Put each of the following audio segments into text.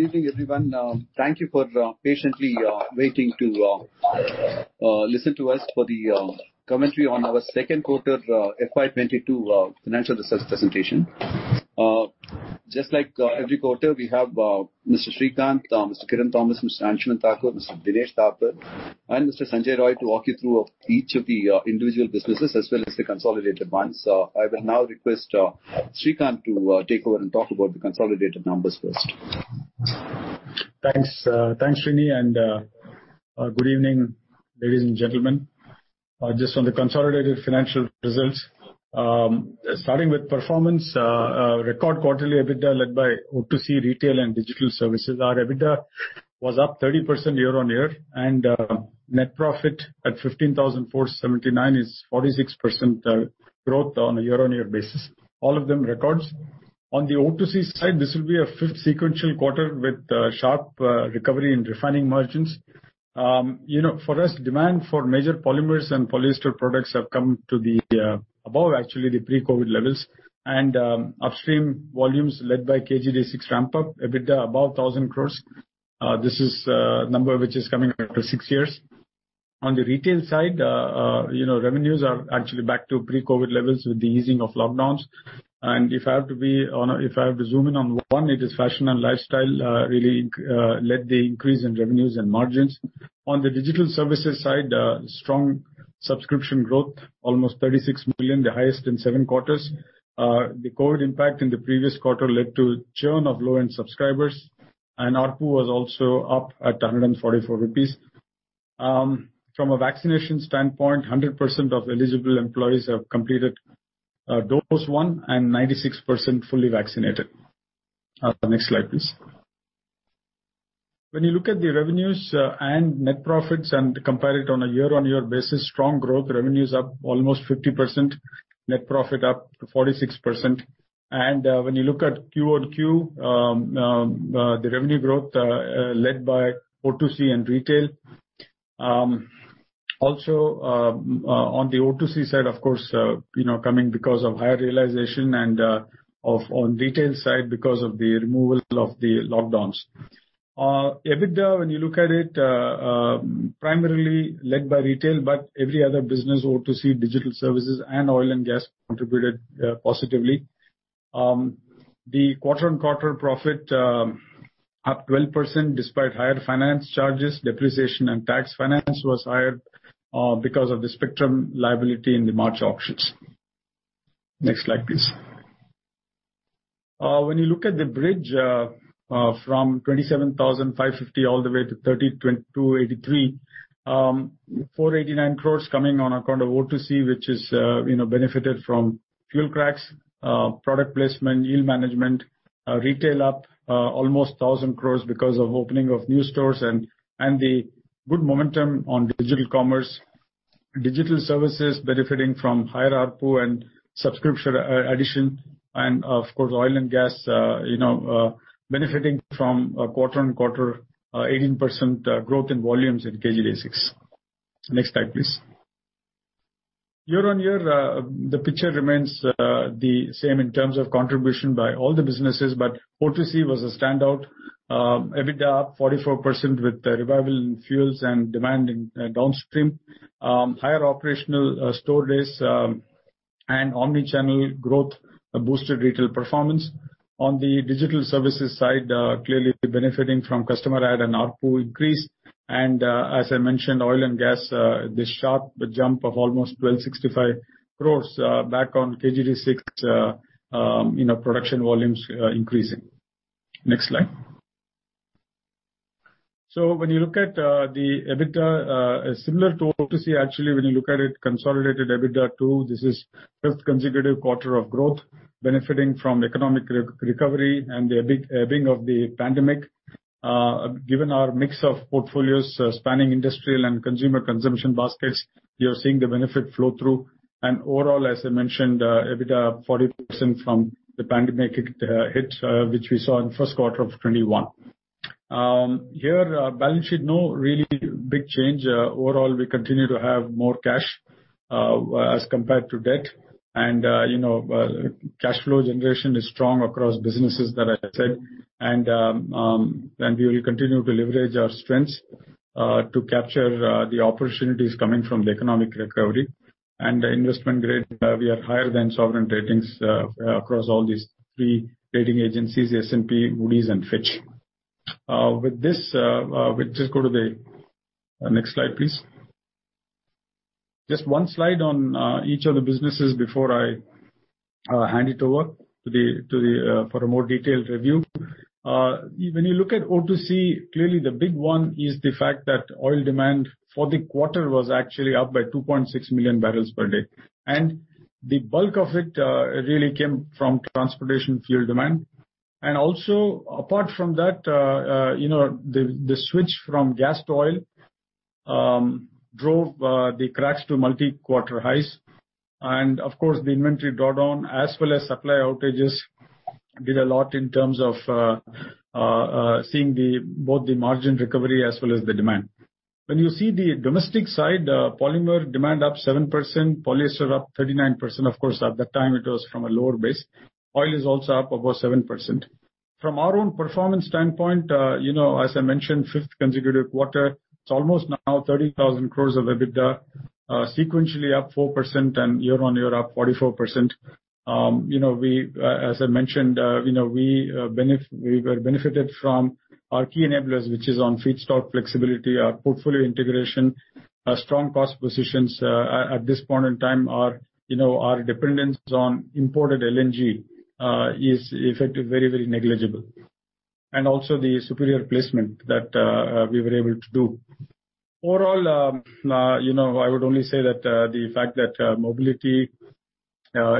Good evening, everyone. Thank you for patiently waiting to listen to us for the commentary on our second quarter FY 2022 financial results presentation. Just like every quarter, we have Mr. Srikanth, Mr. Kiran Thomas, Mr. Anshuman Thakur, Mr. Dinesh Thapar, and Mr. Sanjay Roy to walk you through each of the individual businesses, as well as the consolidated ones. I will now request Srikanth to take over and talk about the consolidated numbers first. Thanks, Srini. Good evening, ladies and gentlemen. Just on the consolidated financial results, starting with performance, record quarterly EBITDA led by O2C, Retail, and digital services. Our EBITDA was up 30% year-on-year, and net profit at 15,479 crore is 46% growth on a year-on-year basis. All of them records. On the O2C side, this will be our fifth sequential quarter with a sharp recovery in refining margins. For us, demand for major polymers and polyester products have come to be above actually the pre-COVID levels. Upstream volumes led by KG D6 ramp-up, EBITDA above 1,000 crore. This is a number which is coming after six years. On the Retail side, revenues are actually back to pre-COVID levels with the easing of lockdowns. If I have to zoom in on one, it is fashion and lifestyle really led the increase in revenues and margins. On the digital services side, strong subscription growth, almost 36 million, the highest in seven quarters. The COVID impact in the previous quarter led to churn of low-end subscribers, and ARPU was also up at 144 rupees. From a vaccination standpoint, 100% of eligible employees have completed dose one, and 96% fully vaccinated. Next slide, please. When you look at the revenues and net profits and compare it on a year-on-year basis, strong growth, revenues up almost 50%, net profit up 46%. When you look at QoQ, the revenue growth led by O2C and Retail. Also, on the O2C side, of course, coming because of higher realization and on Retail side because of the removal of the lockdowns. EBITDA, when you look at it, primarily led by Retail, but every other business, O2C, Digital Services, and Oil and Gas contributed positively. The quarter-on-quarter profit up 12% despite higher finance charges, depreciation, and tax finance was higher because of the spectrum liability in the March auctions. Next slide, please. When you look at the bridge from 27,550 crore all the way to 30,283 crore, 489 crores coming on account of O2C, which benefited from fuel cracks, product placement, yield management. Retail up almost 1,000 crores because of opening of new stores and the good momentum on digital commerce. Digital Services benefiting from higher ARPU and subscription addition. Of course, Oil and Gas benefiting from quarter-on-quarter 18% growth in volumes in KG D6. Next slide, please. Year on year, the picture remains the same in terms of contribution by all the businesses, but O2C was a standout. EBITDA up 44% with revival in fuels and demand in downstream. Higher operational store days and omnichannel growth boosted retail performance. On the digital services side, clearly benefiting from customer add and ARPU increase. As I mentioned, oil and gas, the sharp jump of almost 1,265 crores back on KG D6 production volumes increasing. Next slide. When you look at the EBITDA, similar to O2C actually, when you look at it consolidated EBITDA too, this is fifth consecutive quarter of growth benefiting from economic recovery and the ebbing of the pandemic. Given our mix of portfolios spanning industrial and consumer consumption baskets, you're seeing the benefit flow through. Overall, as I mentioned, EBITDA up 40% from the pandemic hit which we saw in first quarter of 2021. Balance sheet, no really big change. We continue to have more cash as compared to debt. Cash flow generation is strong across businesses that I said. We will continue to leverage our strengths to capture the opportunities coming from the economic recovery. Investment grade, we are higher than sovereign ratings across all these three rating agencies, S&P, Moody's, and Fitch. With this, we'll just go to the next slide, please. Just one slide on each of the businesses before I hand it over for a more detailed review. When you look at O2C, clearly the big one is the fact that oil demand for the quarter was actually up by 2.6 MMbpd. The bulk of it really came from transportation fuel demand. Also, apart from that, the switch from gas to oil drove the cracks to multi-quarter highs. Of course, the inventory drawdown as well as supply outages did a lot in terms of seeing both the margin recovery as well as the demand. When you see the domestic side, polymer demand up 7%, polyester up 39%. Of course, at that time it was from a lower base. Oil is also up about 7%. From our own performance standpoint, as I mentioned, fifth consecutive quarter, it's almost now 30,000 crores of EBITDA, sequentially up 4% and year-on-year up 44%. As I mentioned, we were benefited from our key enablers, which is on feedstock flexibility, our portfolio integration, strong cost positions. At this point in time, our dependence on imported LNG is effective very, very negligible. Also the superior placement that we were able to do. Overall, I would only say that the fact that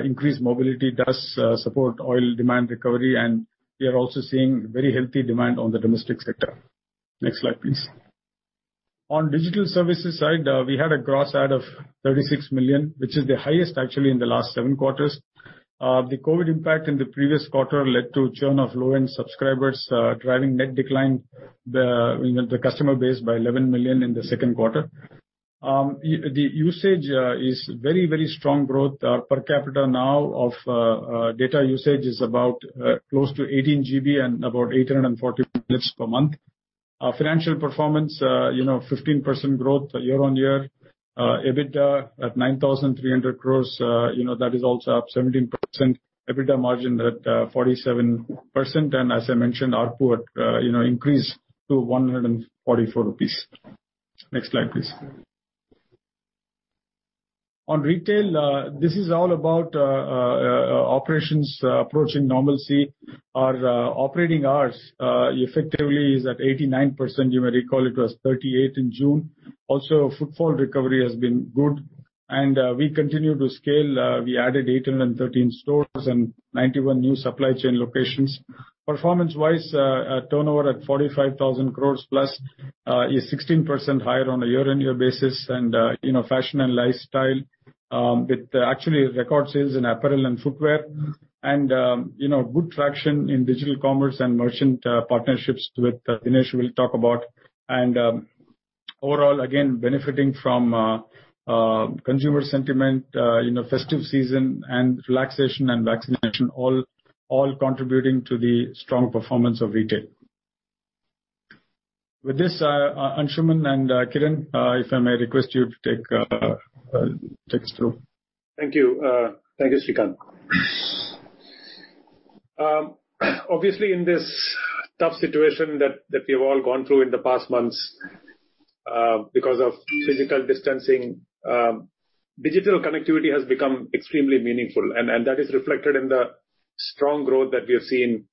increased mobility does support oil demand recovery, and we are also seeing very healthy demand on the domestic sector. Next slide, please. On digital services side, we had a gross add of 36 million, which is the highest actually in the last seven quarters. The COVID impact in the previous quarter led to churn of low-end subscribers, driving net decline the customer base by 11 million in the second quarter. The usage is very strong growth. Our per capita now of data usage is about close to 18 GB and about 840 minutes per month. Our financial performance, 15% growth year-on-year. EBITDA at 9,300 crores, that is also up 17%. EBITDA margin at 47%. As I mentioned, ARPU increased to 144 rupees. Next slide, please. On retail, this is all about operations approaching normalcy. Our operating hours effectively is at 89%. You may recall it was 38% in June. Footfall recovery has been good. We continue to scale. We added 813 stores and 91 new supply chain locations. Performance-wise, our turnover at 45,000 crores+ is 16% higher on a year-on-year basis. Fashion and lifestyle, with actually record sales in apparel and footwear and good traction in digital commerce and merchant partnerships with Dinesh will talk about. Overall, again, benefiting from consumer sentiment, festive season and relaxation and vaccination all contributing to the strong performance of retail. With this, Anshuman and Kiran, if I may request you to take us through. Thank you. Thank you, Srikanth. Obviously, in this tough situation that we've all gone through in the past months because of physical distancing, digital connectivity has become extremely meaningful, and that is reflected in the strong growth that we have seen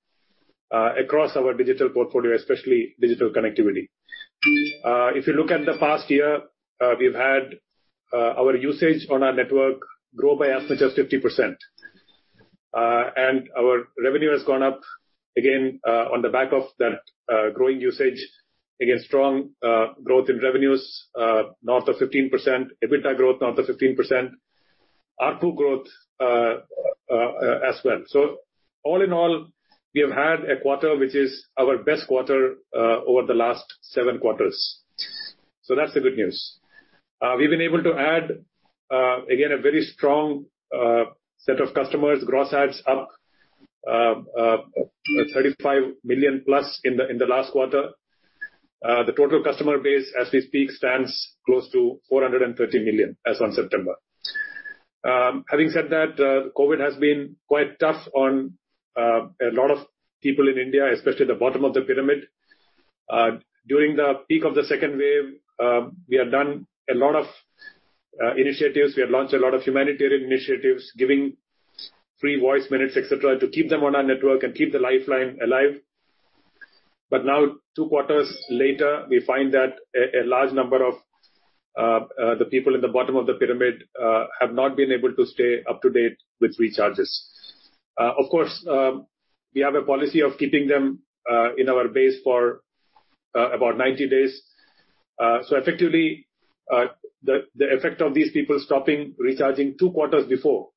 across our digital portfolio, especially digital connectivity. If you look at the past year, we've had our usage on our network grow by as much as 50%. Our revenue has gone up again on the back of that growing usage. Again, strong growth in revenues, north of 15%. EBITDA growth, north of 15%. ARPU growth as well. All in all, we have had a quarter which is our best quarter over the last seven quarters. That's the good news. We've been able to add, again, a very strong set of customers. Gross adds up 35 million+ in the last quarter. The total customer base as we speak stands close to 430 million as on September. Now, two quarters later, we find that a large number of the people in the bottom of the pyramid have not been able to stay up to date with recharges. Of course, we have a policy of keeping them in our base for about 90 days. Effectively, the effect of these people stopping recharging two quarters before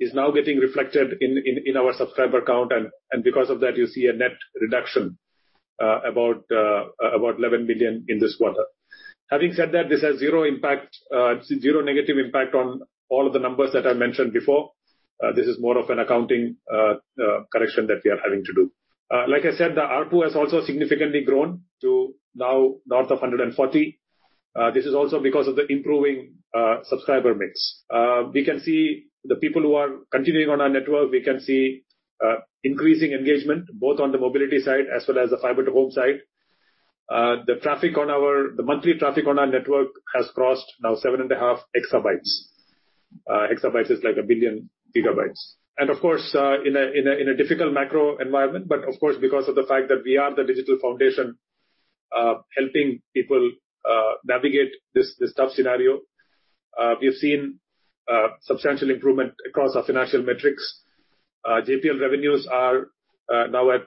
is now getting reflected in our subscriber count, and because of that you see a net reduction, about 11 million in this quarter. Having said that, this has zero negative impact on all of the numbers that I mentioned before. This is more of an accounting correction that we are having to do. Like I said, the ARPU has also significantly grown to now north of 140. This is also because of the improving subscriber mix. We can see the people who are continuing on our network, we can see increasing engagement both on the mobility side as well as the fiber to home side. The monthly traffic on our network has crossed now 7.5 exabytes. Exabytes is like 1,000,000,000 GB. Of course, in a difficult macro environment, because of the fact that we are the digital foundation, helping people navigate this tough scenario, we have seen substantial improvement across our financial metrics. JPL revenues are now at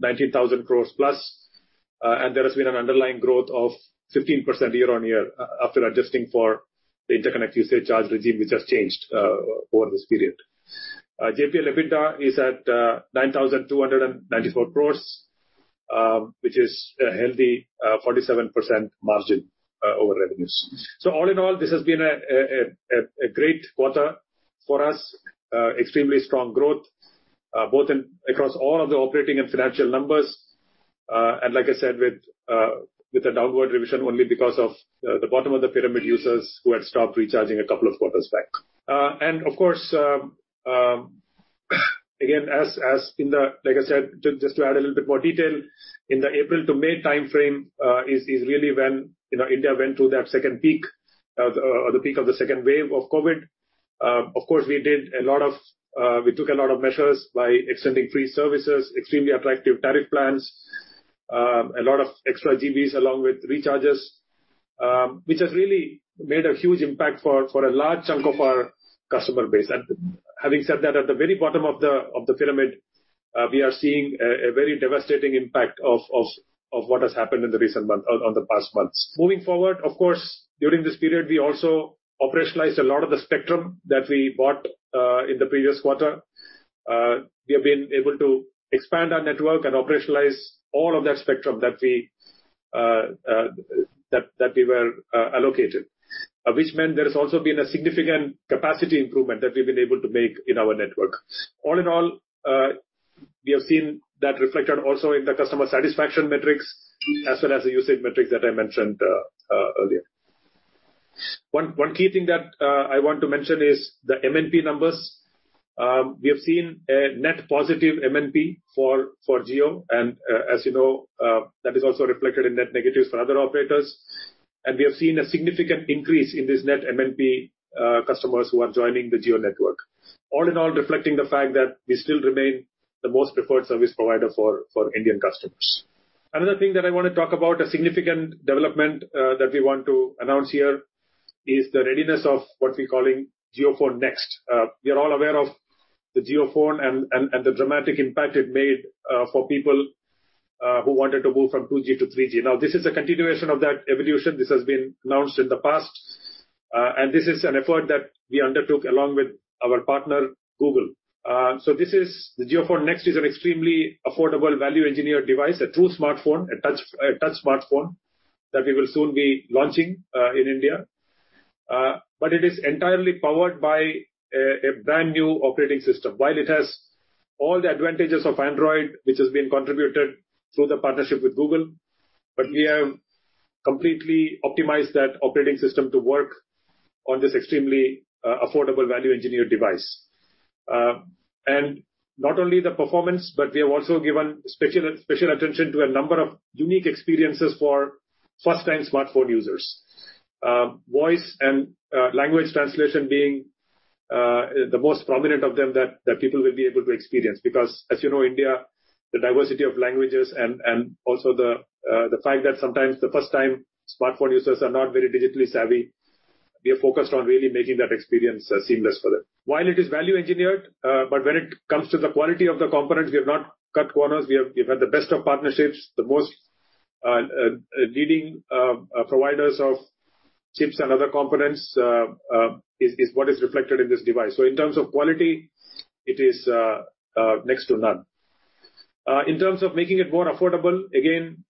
19,000 crore+. There has been an underlying growth of 15% year-on-year after adjusting for the interconnect usage charge regime we just changed over this period. JPL EBITDA is at 9,294 crore, which is a healthy 47% margin over revenues. All in all, this has been a great quarter for us. Extremely strong growth both across all of the operating and financial numbers. Like I said, with a downward revision only because of the bottom of the pyramid users who had stopped recharging a couple of quarters back. Of course, again, like I said, just to add a little bit more detail, in the April to May timeframe, is really when India went through the peak of the second wave of COVID. Of course, we took a lot of measures by extending free services, extremely attractive tariff plans, a lot of extra GBs along with recharges, which has really made a huge impact for a large chunk of our customer base. Having said that, at the very bottom of the pyramid, we are seeing a very devastating impact of what has happened in the past months. Moving forward, of course, during this period, we also operationalized a lot of the spectrum that we bought in the previous quarter. We have been able to expand our network and operationalize all of that spectrum that we were allocated. Which meant there has also been a significant capacity improvement that we've been able to make in our network. All in all, we have seen that reflected also in the customer satisfaction metrics as well as the usage metrics that I mentioned earlier. One key thing that I want to mention is the MNP numbers. We have seen a net positive MNP for Jio and, as you know, that is also reflected in net negatives for other operators. We have seen a significant increase in these net MNP customers who are joining the Jio network. All in all, reflecting the fact that we still remain the most preferred service provider for Indian customers. Another thing that I want to talk about, a significant development that we want to announce here, is the readiness of what we're calling JioPhone Next. We are all aware of the JioPhone and the dramatic impact it made for people who wanted to move from 2G to 3G. This is a continuation of that evolution. This has been announced in the past, and this is an effort that we undertook along with our partner Google. The JioPhone Next is an extremely affordable value engineered device, a true smartphone, a touch smartphone that we will soon be launching in India. It is entirely powered by a brand-new operating system. While it has all the advantages of Android, which has been contributed through the partnership with Google, but we have completely optimized that operating system to work on this extremely affordable value engineered device. Not only the performance, but we have also given special attention to a number of unique experiences for first-time smartphone users. Voice and language translation being the most prominent of them that people will be able to experience, because as you know, India, the diversity of languages and also the fact that sometimes the first-time smartphone users are not very digitally savvy. We are focused on really making that experience seamless for them. While it is value engineered, when it comes to the quality of the components, we have not cut corners. We have had the best of partnerships. The most leading providers of chips and other components, is what is reflected in this device. In terms of quality, it is next to none. In terms of making it more affordable, again,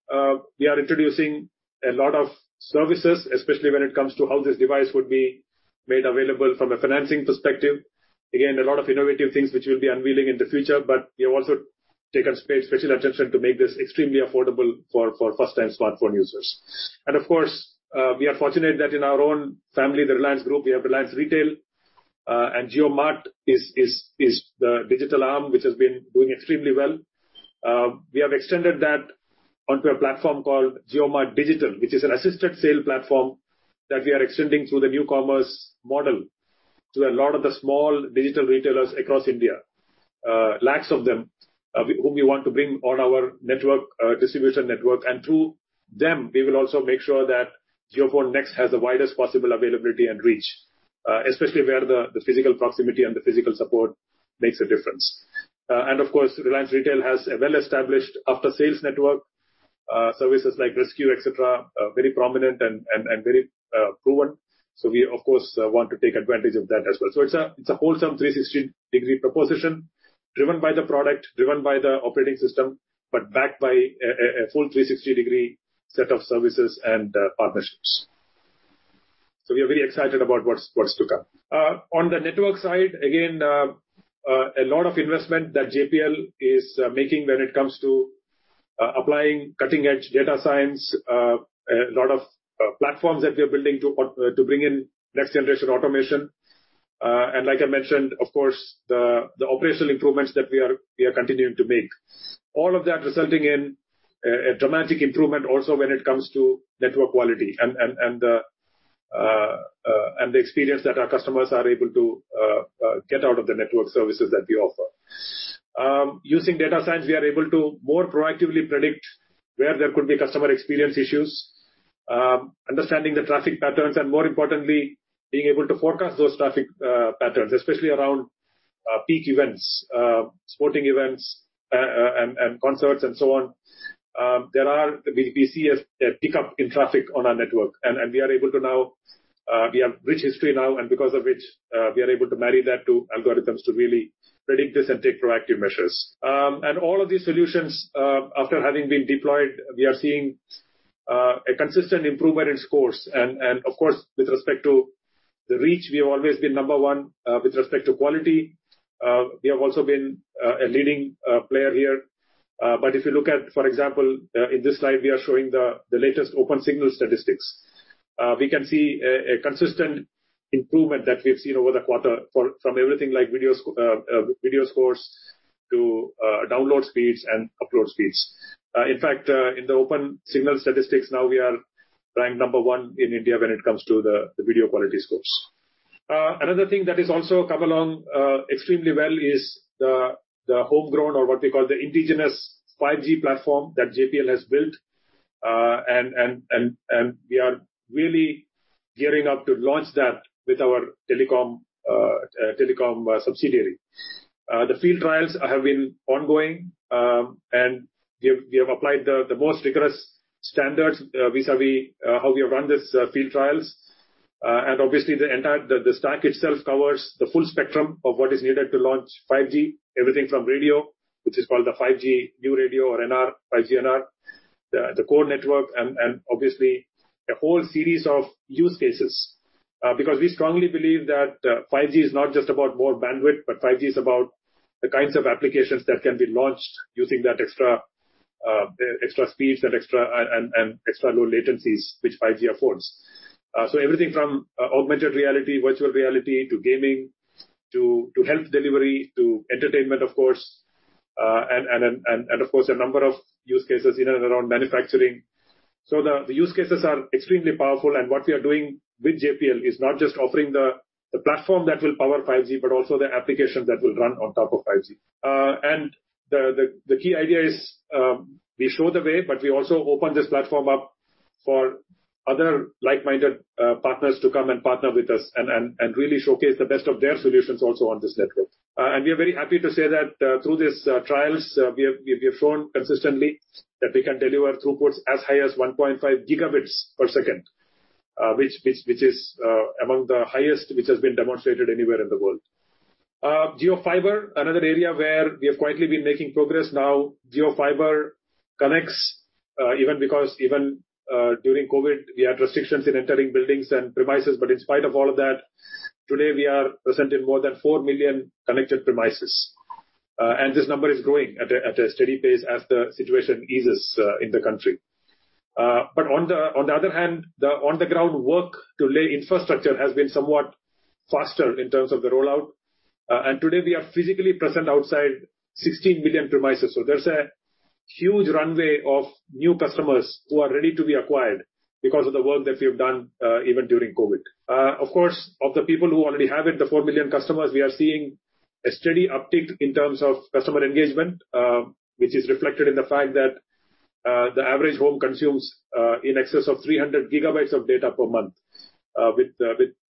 we are introducing a lot of services, especially when it comes to how this device would be made available from a financing perspective. Again, a lot of innovative things which we'll be unveiling in the future. We have also taken special attention to make this extremely affordable for first-time smartphone users. Of course, we are fortunate that in our own family, the Reliance Group, we have Reliance Retail, and JioMart is the digital arm which has been doing extremely well. We have extended that onto a platform called JioMart Digital, which is an assisted sales platform that we are extending through the new commerce model to a lot of the small digital retailers across India. Lakhs of them, whom we want to bring on our distribution network. Through them, we will also make sure that JioPhone Next has the widest possible availability and reach, especially where the physical proximity and the physical support makes a difference. Of course, Reliance Retail has a well-established after-sales network, services like ResQ, et cetera, very prominent and very proven. We, of course, want to take advantage of that as well. It's a wholesome 360-degree proposition, driven by the product, driven by the operating system, but backed by a full 360-degree set of services and partnerships. We are very excited about what's to come. On the network side, again, a lot of investment that JPL is making when it comes to applying cutting-edge data science. A lot of platforms that we are building to bring in next generation automation. Like I mentioned, of course, the operational improvements that we are continuing to make. All of that resulting in a dramatic improvement also when it comes to network quality and the experience that our customers are able to get out of the network services that we offer. Using data science, we are able to more proactively predict where there could be customer experience issues, understanding the traffic patterns, and more importantly, being able to forecast those traffic patterns, especially around peak events, sporting events, and concerts, and so on. We see a pickup in traffic on our network. We have rich history now, because of which, we are able to marry that to algorithms to really predict this and take proactive measures. All of these solutions, after having been deployed, we are seeing a consistent improvement in scores. Of course, with respect to the reach, we have always been number one. With respect to quality, we have also been a leading player here. If you look at, for example, in this slide, we are showing the latest Opensignal Statistics. We can see a consistent improvement that we've seen over the quarter from everything like video scores to download speeds and upload speeds. In fact, in the Open Signal Statistics now we are ranked number one in India when it comes to the video quality scores. Another thing that has also come along extremely well is the homegrown or what we call the indigenous 5G platform that JPL has built. We are really gearing up to launch that with our telecom subsidiary. The field trials have been ongoing, and we have applied the most rigorous standards vis-à-vis how we have run these field trials. Obviously, the stack itself covers the full spectrum of what is needed to launch 5G, everything from radio, which is called the 5G new radio or NR, 5G NR, the core network, and obviously a whole series of use cases. We strongly believe that 5G is not just about more bandwidth, but 5G is about the kinds of applications that can be launched using that extra speeds and extra low latencies which 5G affords. Everything from augmented reality, virtual reality, to gaming, to health delivery, to entertainment, and of course, a number of use cases in and around manufacturing. The use cases are extremely powerful, and what we are doing with JPL is not just offering the platform that will power 5G, but also the application that will run on top of 5G. The key idea is, we show the way, but we also open this platform up for other like-minded partners to come and partner with us and really showcase the best of their solutions also on this network. We are very happy to say that through these trials, we have shown consistently that we can deliver throughputs as high as 1.5 Gbps, which is among the highest which has been demonstrated anywhere in the world. JioFiber, another area where we have quietly been making progress. Now, JioFiber connects, even during COVID, we had restrictions in entering buildings and premises. In spite of all of that, today we are present in more than 4 million connected premises. This number is growing at a steady pace as the situation eases in the country. On the other hand, the on-the-ground work to lay infrastructure has been somewhat faster in terms of the rollout. Today we are physically present outside 16 million premises. There's a huge runway of new customers who are ready to be acquired because of the work that we have done even during COVID. Of course, of the people who already have it, the 4 million customers, we are seeing a steady uptick in terms of customer engagement, which is reflected in the fact that the average home consumes in excess of 300 GB of data per month, with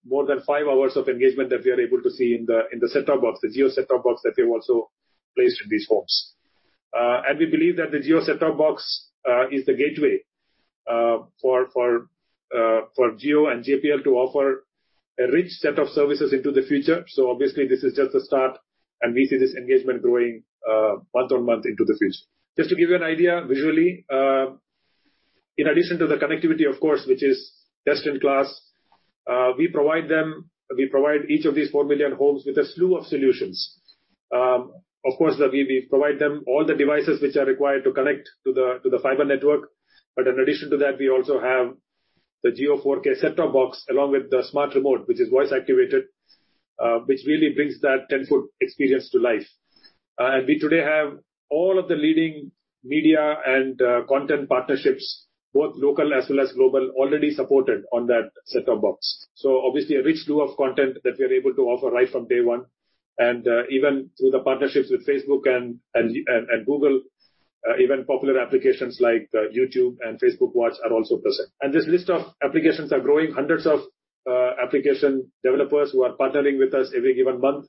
more than five hours of engagement that we are able to see in the Set Top Box, the Jio Set Top Box that we have also placed in these homes. We believe that the Jio Set Top Box is the gateway for Jio and JPL to offer a rich set of services into the future. Obviously this is just a start, and we see this engagement growing month-on-month into the future. Just to give you an idea visually, in addition to the connectivity, of course, which is best in class, we provide each of these 4 million homes with a slew of solutions. Of course, we provide them all the devices which are required to connect to the fiber network. In addition to that, we also have the Jio 4K Set Top Box, along with the smart remote, which is voice activated, which really brings that 10-fold experience to life. We today have all of the leading media and content partnerships, both local as well as global, already supported on that Set Top Box. Obviously a rich slew of content that we are able to offer right from day one. Even through the partnerships with Facebook and Google, even popular applications like YouTube and Facebook Watch are also present. This list of applications are growing. Hundreds of application developers who are partnering with us every given month,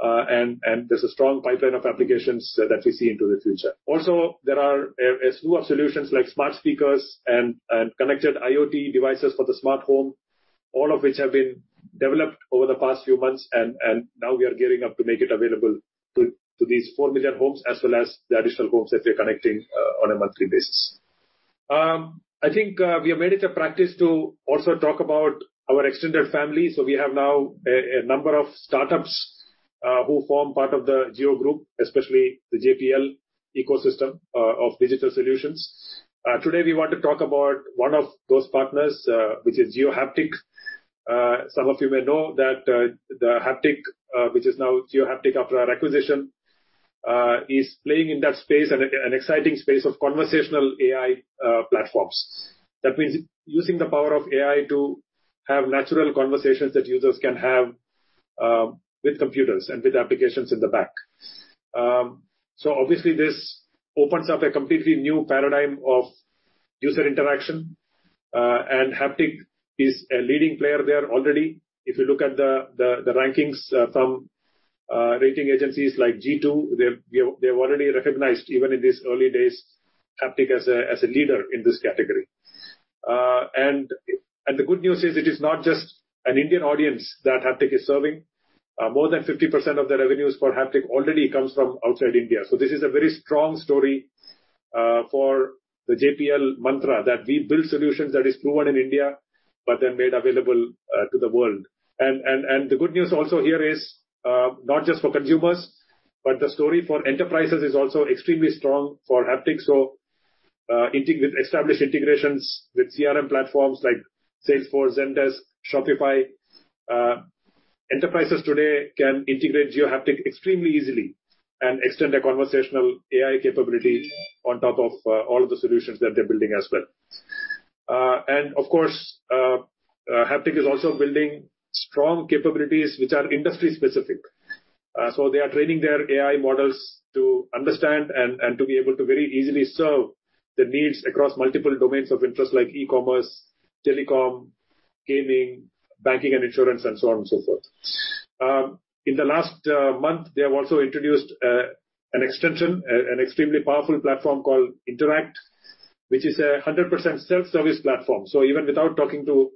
and there's a strong pipeline of applications that we see into the future. Also, there are a slew of solutions like smart speakers and connected IoT devices for the smart home, all of which have been developed over the past few months, and now we are gearing up to make it available to these 4 million homes, as well as the additional homes that we're connecting on a monthly basis. I think we have made it a practice to also talk about our extended family. We have now a number of startups who form part of the Jio group, especially the JPL ecosystem of digital solutions. Today, we want to talk about one of those partners, which is JioHaptik. Some of you may know that the Haptik, which is now JioHaptik after our acquisition, is playing in that space and an exciting space of conversational AI platforms. That means using the power of AI to have natural conversations that users can have with computers and with applications in the back. Obviously this opens up a completely new paradigm of user interaction, and Haptik is a leading player there already. If you look at the rankings from rating agencies like G2, they have already recognized, even in these early days, Haptik as a leader in this category. The good news is it is not just an Indian audience that Haptik is serving. More than 50% of the revenues for Haptik already comes from outside India. This is a very strong story for the JPL mantra that we build solutions that is proven in India, but then made available to the world. The good news also here is, not just for consumers, but the story for enterprises is also extremely strong for Haptik. Established integrations with CRM platforms like Salesforce, Zendesk, Shopify. Enterprises today can integrate JioHaptik extremely easily and extend their conversational AI capabilities on top of all of the solutions that they're building as well. Of course, Haptik is also building strong capabilities, which are industry specific. They are training their AI models to understand and to be able to very easily serve the needs across multiple domains of interest like e-commerce, telecom, gaming, banking and insurance, and so on and so forth. In the last month, they have also introduced an extension, an extremely powerful platform called JioInteract, which is a 100% self-service platform. Even without talking to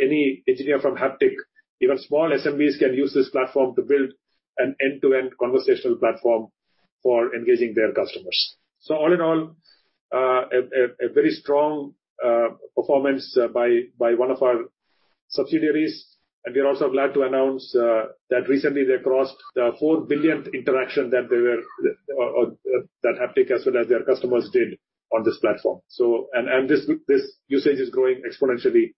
any engineer from Haptik, even small SMBs can use this platform to build an end-to-end conversational platform for engaging their customers. We are also glad to announce that recently they crossed the 4 billionth interaction that Haptik as well as their customers did on this platform. This usage is growing exponentially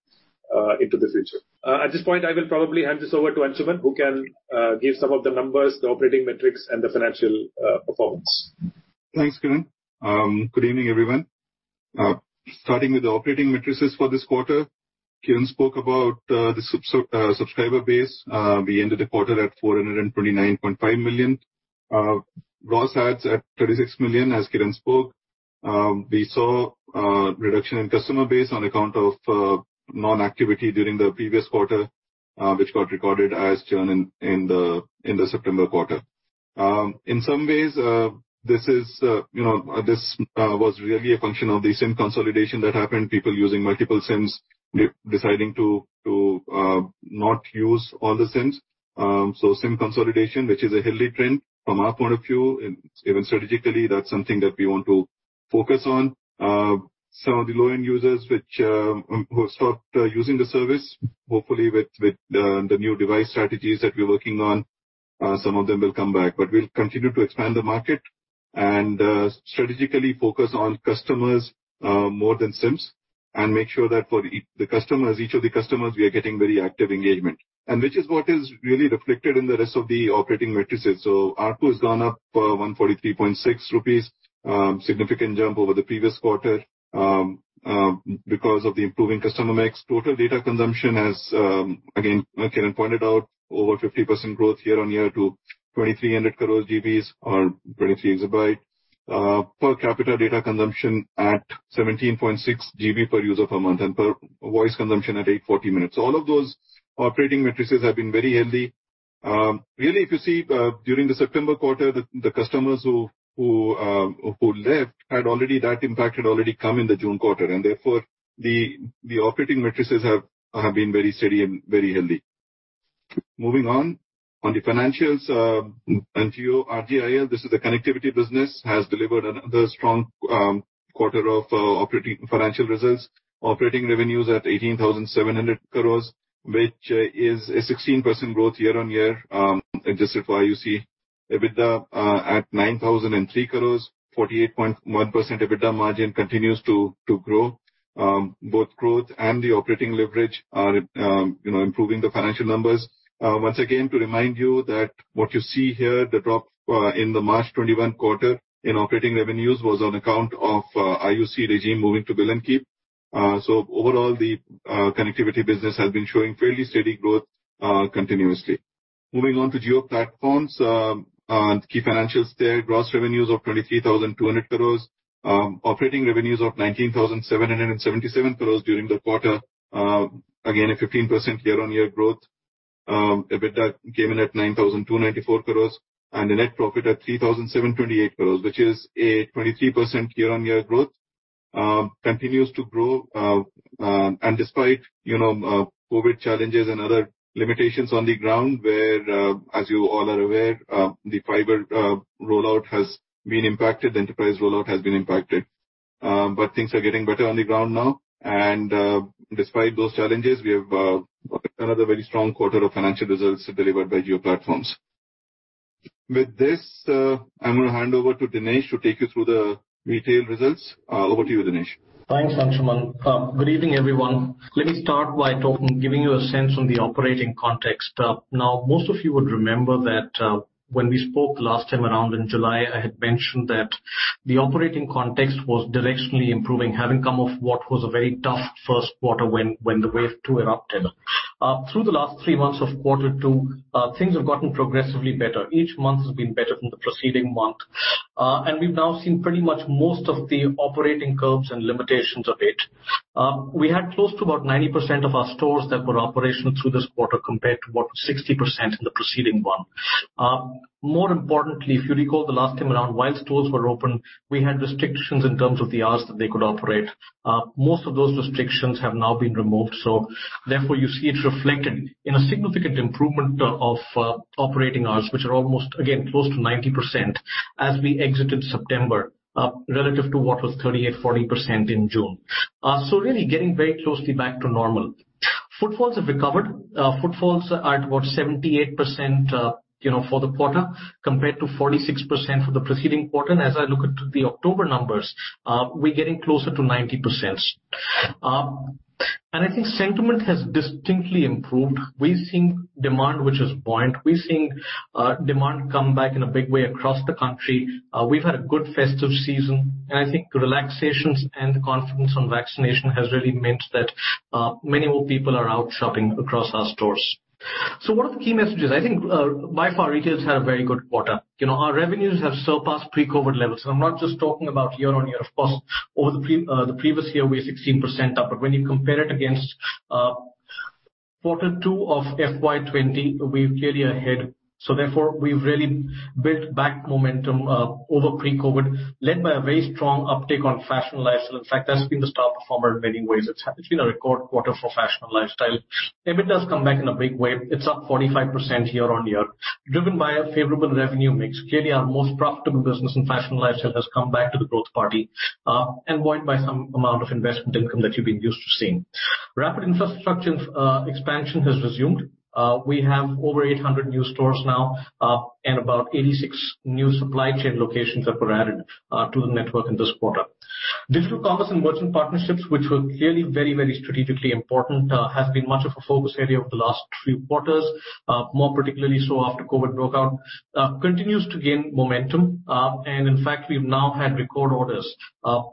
into the future. At this point, I will probably hand this over to Anshuman, who can give some of the numbers, the operating metrics, and the financial performance. Thanks, Kiran. Good evening, everyone. Starting with the operating matrices for this quarter. Kiran spoke about the subscriber base. We ended the quarter at 429.5 million. Gross adds at 36 million, as Kiran spoke. We saw a reduction in customer base on account of non-activity during the previous quarter, which got recorded as churn in the September quarter. In some ways, this was really a function of the SIM consolidation that happened. People using multiple SIMs deciding to not use all the SIMs. SIM consolidation, which is a healthy trend from our point of view, even strategically that's something that we want to focus on. Some of the low-end users who have stopped using the service, hopefully with the new device strategies that we're working on, some of them will come back. We'll continue to expand the market and strategically focus on customers more than SIMs and make sure that for each of the customers, we are getting very active engagement. Which is what is really reflected in the rest of the operating matrices. ARPU has gone up to 143.6 rupees. Significant jump over the previous quarter because of the improving customer mix. Total data consumption has, again, Kiran pointed out, over 50% growth year-on-year to 2,300 crore GBs or 23 exabytes. Per capita data consumption at 17.6 GB per user per month and per voice consumption at 840 minutes. All of those operating matrices have been very healthy. Really, if you see, during the September quarter, the customers who left, that impact had already come in the June quarter, and therefore, the operating matrices have been very steady and very healthy. Moving on. On the financials of Jio, RJIL, this is the connectivity business, has delivered another strong quarter of operating financial results. Operating revenues at 18,700 crores, which is a 16% growth year-on-year. This is why you see EBITDA at 9,003 crores. 48.1% EBITDA margin continues to grow. Both growth and the operating leverage are improving the financial numbers. Once again, to remind you that what you see here, the drop in the March 2021 quarter in operating revenues was on account of IUC regime moving to bill and keep. Overall, the connectivity business has been showing fairly steady growth continuously. Moving on to Jio Platforms. On key financials there, gross revenues of 23,200 crores. Operating revenues of 19,777 crores during the quarter. Again, a 15% year-on-year growth. EBITDA came in at 9,294 crores and a net profit at 3,728 crores, which is a 23% year-on-year growth. Continues to grow, despite COVID challenges and other limitations on the ground where, as you all are aware, the fiber rollout has been impacted, the enterprise rollout has been impacted. Things are getting better on the ground now. Despite those challenges, we have another very strong quarter of financial results delivered by Jio Platforms. With this, I'm going to hand over to Dinesh to take you through the retail results. Over to you, Dinesh. Thanks, Anshuman. Good evening, everyone. Let me start by giving you a sense on the operating context. Now, most of you would remember that when we spoke last time around in July, I had mentioned that the operating context was directionally improving, having come off what was a very tough first quarter when the wave two erupted. Through the last three months of quarter two, things have gotten progressively better. Each month has been better than the preceding one. And we've now seen pretty much most of the operating curbs and limitations. We had close to about 90% of our stores that were operational through this quarter, compared to about 60% in the preceding one. More importantly, if you recall the last time around, while stores were open, we had restrictions in terms of the hours that they could operate. Most of those restrictions have now been removed. Therefore, you see it reflected in a significant improvement of operating hours, which are almost, again, close to 90% as we exited September, relative to what was 38%, 40% in June. Really getting very closely back to normal. Footfalls have recovered. Footfalls are at about 78% for the quarter compared to 46% for the preceding quarter. As I look at the October numbers, we're getting closer to 90%. I think sentiment has distinctly improved. We're seeing demand, which is buoyant. We're seeing demand come back in a big way across the country. We've had a good festive season, and I think the relaxations and the confidence on vaccination has really meant that many more people are out shopping across our stores. What are the key messages? I think by far, retails had a very good quarter. Our revenues have surpassed pre-COVID levels. I'm not just talking about year-on-year. Of course, over the previous year, we are 16% up. When you compare it against quarter two of FY 2020, we're clearly ahead. Therefore, we've really built back momentum over pre-COVID, led by a very strong uptick on fashion and lifestyle. In fact, that's been the star performer in many ways. It's been a record quarter for fashion and lifestyle. EBITDA come back in a big way. It's up 45% year-on-year, driven by a favorable revenue mix. Clearly, our most profitable business in fashion and lifestyle has come back to the growth party, and buoyed by some amount of investment income that you've been used to seeing. Rapid infrastructure expansion has resumed. We have over 800 new stores now, and about 86 new supply chain locations that were added to the network in this quarter. Digital commerce and merchant partnerships, which were clearly very, very strategically important, has been much of a focus area over the last three quarters. More particularly so after COVID broke out. Continues to gain momentum, and in fact, we've now had record orders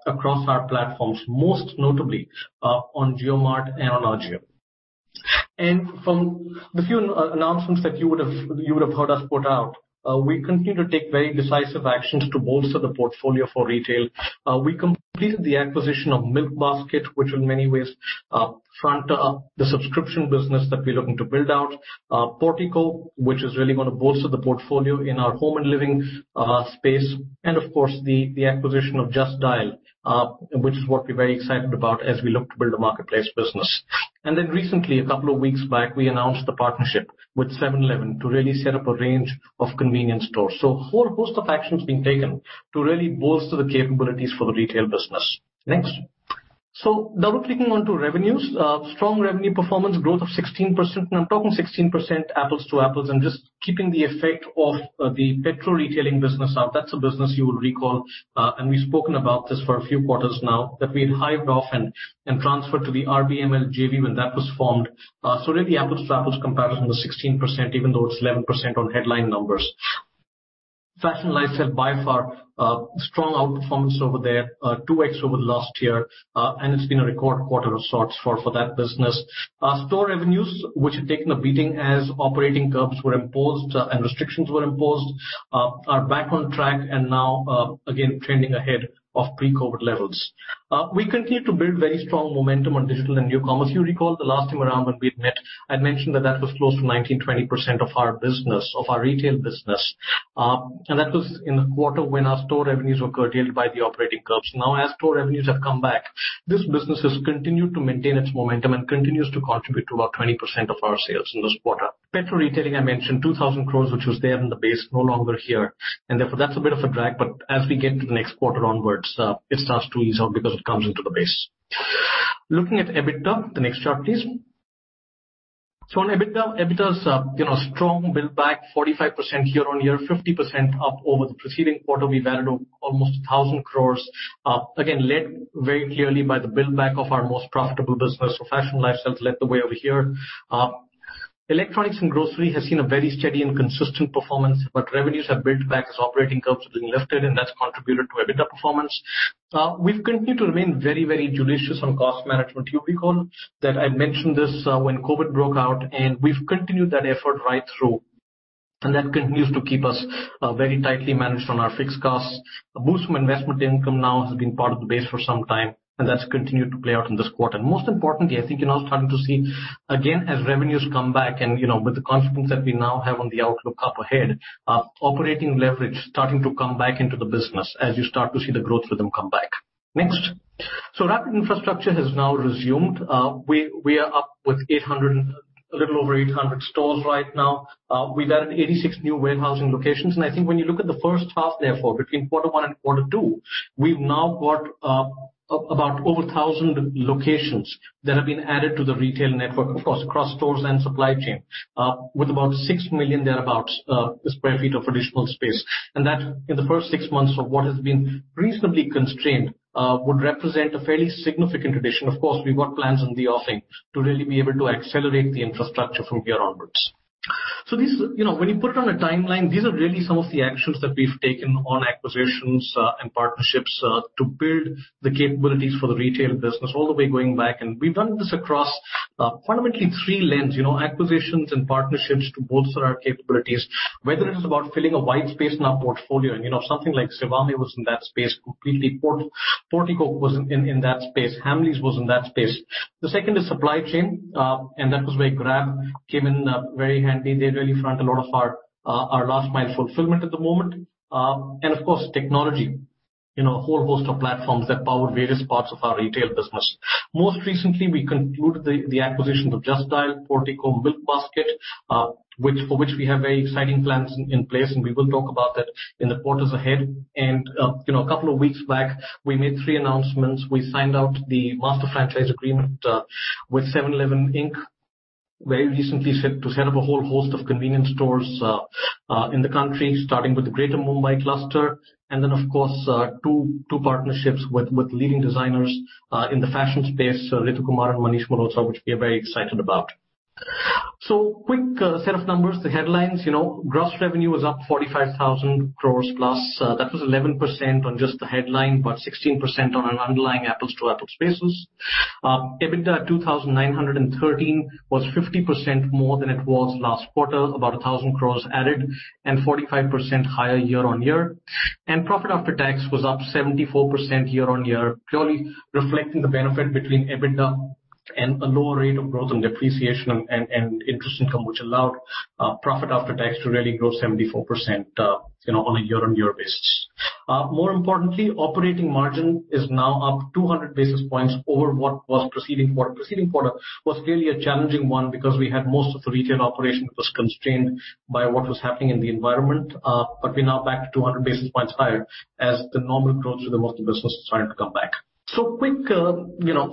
across our platforms, most notably on JioMart and on AJIO. From the few announcements that you would have heard us put out, we continue to take very decisive actions to bolster the portfolio for retail. We completed the acquisition of Milkbasket, which in many ways front the subscription business that we're looking to build out. Portico, which is really going to bolster the portfolio in our home and living space. Of course, the acquisition of Just Dial, which is what we're very excited about as we look to build a marketplace business. Recently, a couple of weeks back, we announced the partnership with 7-Eleven to really set up a range of convenience stores. Whole host of actions being taken to really bolster the capabilities for the retail business. Next. We're clicking onto revenues. Strong revenue performance, growth of 16%. When I'm talking 16% apples to apples, I'm just keeping the effect of the petrol retailing business out. That's a business you will recall, and we've spoken about this for a few quarters now, that we had hived off and transferred to the RBML JV when that was formed. Really apples to apples comparison was 16%, even though it's 11% on headline numbers. Fashion and lifestyle, by far, strong outperformance over there. 2x over last year, and it's been a record quarter of sorts for that business. Store revenues, which had taken a beating as operating curbs were imposed and restrictions were imposed, are back on track and now again trending ahead of pre-COVID levels. We continue to build very strong momentum on digital and new commerce. You recall the last time around when we'd met, I'd mentioned that that was close to 19%-20% of our business, of our retail business. That was in the quarter when our store revenues were curtailed by the operating curbs. As store revenues have come back, this business has continued to maintain its momentum and continues to contribute to about 20% of our sales in this quarter. Petrol retailing, I mentioned 2,000 crores, which was there in the base, no longer here. Therefore, that's a bit of a drag, but as we get to the next quarter onwards, it starts to ease out because it comes into the base. Looking at EBITDA, the next chart, please. On EBITDA. EBITDA's strong build back 45% year-on-year, 50% up over the preceding quarter. We added almost 1,000 crores, again, led very clearly by the build back of our most profitable business. Fashion and lifestyle's led the way over here. Electronics and grocery has seen a very steady and consistent performance, but revenues have built back as operating curbs have been lifted, and that's contributed to EBITDA performance. We've continued to remain very, very judicious on cost management. You'll recall that I mentioned this when COVID broke out, and we've continued that effort right through, and that continues to keep us very tightly managed on our fixed costs. A boost from investment income now has been part of the base for some time, and that's continued to play out in this quarter. Most importantly, I think you're now starting to see, again, as revenues come back and with the confidence that we now have on the outlook up ahead, operating leverage starting to come back into the business as you start to see the growth rhythm come back. Next. Rapid infrastructure has now resumed. We are up with a little over 800 stores right now. We've added 86 new warehousing locations. I think when you look at the first half, therefore, between quarter one and quarter two, we've now got about over 1,000 locations that have been added to the retail network, of course, across stores and supply chain, with about 6 million thereabouts square feet of additional space. That, in the first six months of what has been reasonably constrained, would represent a fairly significant addition. Of course, we've got plans in the offing to really be able to accelerate the infrastructure from here onwards. When you put it on a timeline, these are really some of the actions that we've taken on acquisitions and partnerships to build the capabilities for the retail business all the way going back. We've done this across fundamentally three lens. Acquisitions and partnerships to bolster our capabilities. Whether it is about filling a white space in our portfolio, and something like Zivame was in that space completely. Portico was in that space. Hamleys was in that space. The second is supply chain, and that was where Grab came in very handy. They really front a lot of our last mile fulfillment at the moment. Of course, technology in a whole host of platforms that power various parts of our retail business. Most recently, we concluded the acquisition of Just Dial, Portico, Milkbasket, for which we have very exciting plans in place, and we will talk about that in the quarters ahead. A couple of weeks back, we made three announcements. We signed out the master franchise agreement with 7-Eleven Inc. Very recently set to set up a whole host of convenience stores in the country, starting with the greater Mumbai cluster. Of course, two partnerships with leading designers in the fashion space, Ritu Kumar and Manish Malhotra, which we are very excited about. Quick set of numbers. The headlines, gross revenue was up 45,000 crore+. That was 11% on just the headline, but 16% on an underlying apples to apples basis. EBITDA 2,913 crore was 50% more than it was last quarter, about 1,000 crores added and 45% higher year-on-year. Profit after tax was up 74% year-on-year, purely reflecting the benefit between EBITDA and a lower rate of growth and depreciation and interest income, which allowed profit after tax to really grow 74% on a year-on-year basis. More importantly, operating margin is now up 200 basis points over what was preceding quarter. Preceding quarter was really a challenging one because we had most of the Retail operation was constrained by what was happening in the environment. We're now back to 200 basis points higher as the normal growth of the multi-business is starting to come back. Quick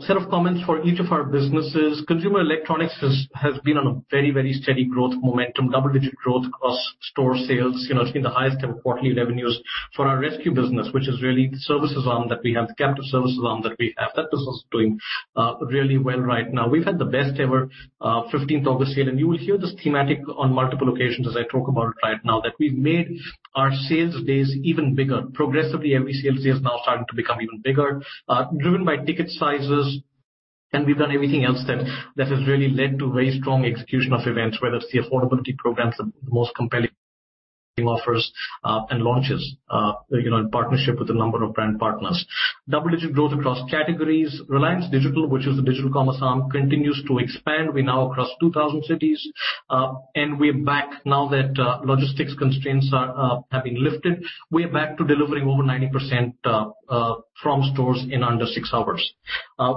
set of comments for each of our businesses. Consumer electronics has been on a very steady growth momentum, double-digit growth across store sales. It's been the highest ever quarterly revenues for our ResQ business, which is really the services arm that we have, the captive services arm that we have. That business is doing really well right now. We've had the best ever 15th August sale. You will hear this thematic on multiple occasions as I talk about it right now, that we've made our sales days even bigger. Progressively, every sales day is now starting to become even bigger, driven by ticket sizes. We've done everything else that has really led to very strong execution of events, whether it's the affordability programs, the most compelling offers, and launches, in partnership with a number of brand partners. Double-digit growth across categories. Reliance Digital, which is the digital commerce arm, continues to expand. We're now across 2,000 cities. We're back now that logistics constraints have been lifted. We're back to delivering over 90% from stores in under six hours.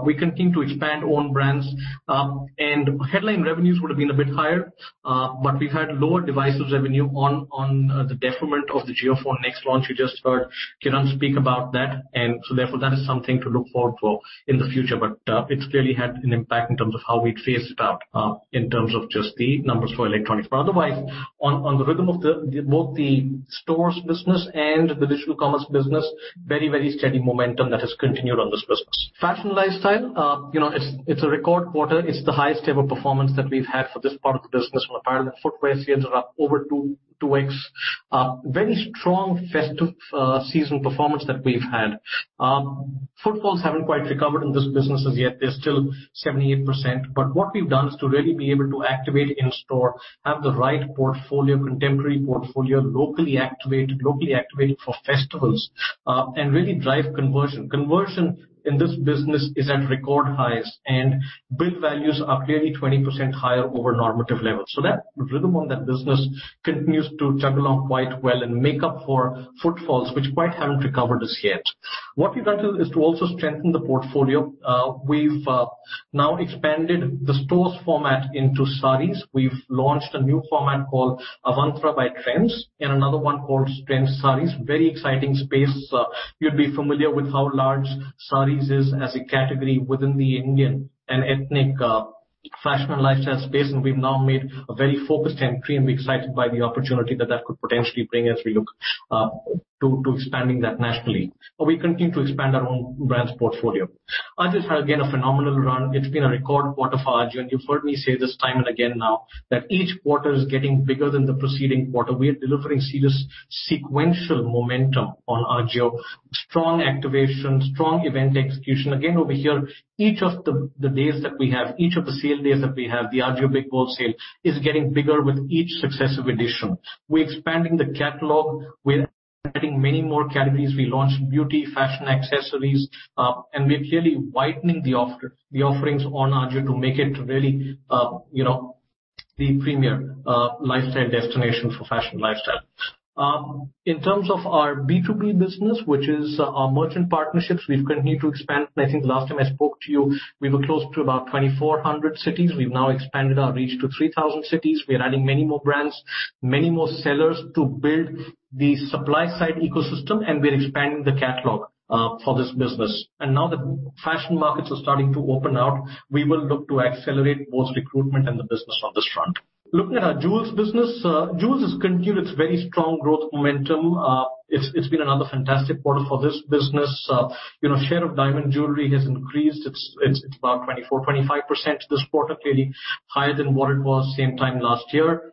We continue to expand own brands. Headline revenues would've been a bit higher, but we've had lower devices revenue on the detriment of the JioPhone Next launch. You just heard Kiran speak about that, and so therefore, that is something to look forward for in the future. It's clearly had an impact in terms of how we'd phase it out, in terms of just the numbers for electronics. Otherwise, on the rhythm of both the stores business and the digital commerce business, very steady momentum that has continued on this business. Fashion lifestyle. It's a record quarter. It's the highest ever performance that we've had for this part of the business. On apparel and footwear, sales are up over 2x. Very strong festive season performance that we've had. Footfalls haven't quite recovered in this business as yet. They're still 78%, but what we've done is to really be able to activate in store, have the right contemporary portfolio, locally activated for festivals, and really drive conversion. Conversion in this business is at record highs, and bill values are clearly 20% higher over normative levels. That rhythm on that business continues to chug along quite well and make up for footfalls, which quite haven't recovered as yet. What we've done too is to also strengthen the portfolio. We've now expanded the stores format into sarees. We've launched a new format called Avantra by Trends and another one called Trends Sarees. Very exciting space. You'd be familiar with how large sarees is as a category within the Indian and ethnic fashion and lifestyle space. We've now made a very focused entry. We're excited by the opportunity that that could potentially bring as we look to expanding that nationally. We continue to expand our own brands portfolio. AJIO has again, a phenomenal run. It's been a record quarter for AJIO. You've heard me say this time and again now that each quarter is getting bigger than the preceding quarter. We're delivering serious sequential momentum on AJIO. Strong activation, strong event execution. Again, over here, each of the days that we have, each of the sale days that we have, the AJIO Big Bold Sale is getting bigger with each successive edition. We're expanding the catalog. We're adding many more categories. We launched beauty, fashion accessories, and we're clearly widening the offerings on AJIO to make it really the premier lifestyle destination for fashion lifestyle. In terms of our B2B business, which is our merchant partnerships, we've continued to expand. I think last time I spoke to you, we were close to about 2,400 cities. We've now expanded our reach to 3,000 cities. We're adding many more brands, many more sellers to build the supply side ecosystem, and we're expanding the catalog for this business. Now that fashion markets are starting to open up, we will look to accelerate both recruitment and the business on this front. Looking at our jewels business. Jewels has continued its very strong growth momentum. It's been another fantastic quarter for this business. Share of diamond jewelry has increased. It's about 24%, 25% this quarter, clearly higher than what it was same time last year.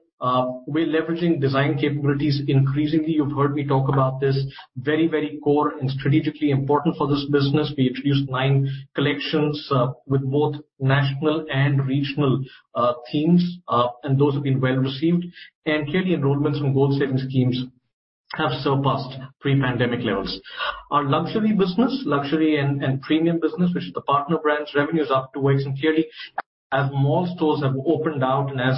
We're leveraging design capabilities increasingly. You've heard me talk about this. Very core and strategically important for this business. We introduced nine collections with both national and regional themes, and those have been well-received. Clearly, enrollments from gold savings schemes have surpassed pre-pandemic levels. Our luxury business, luxury and premium business, which is the partner brands, revenue is up 2x. Clearly, as more stores have opened now and as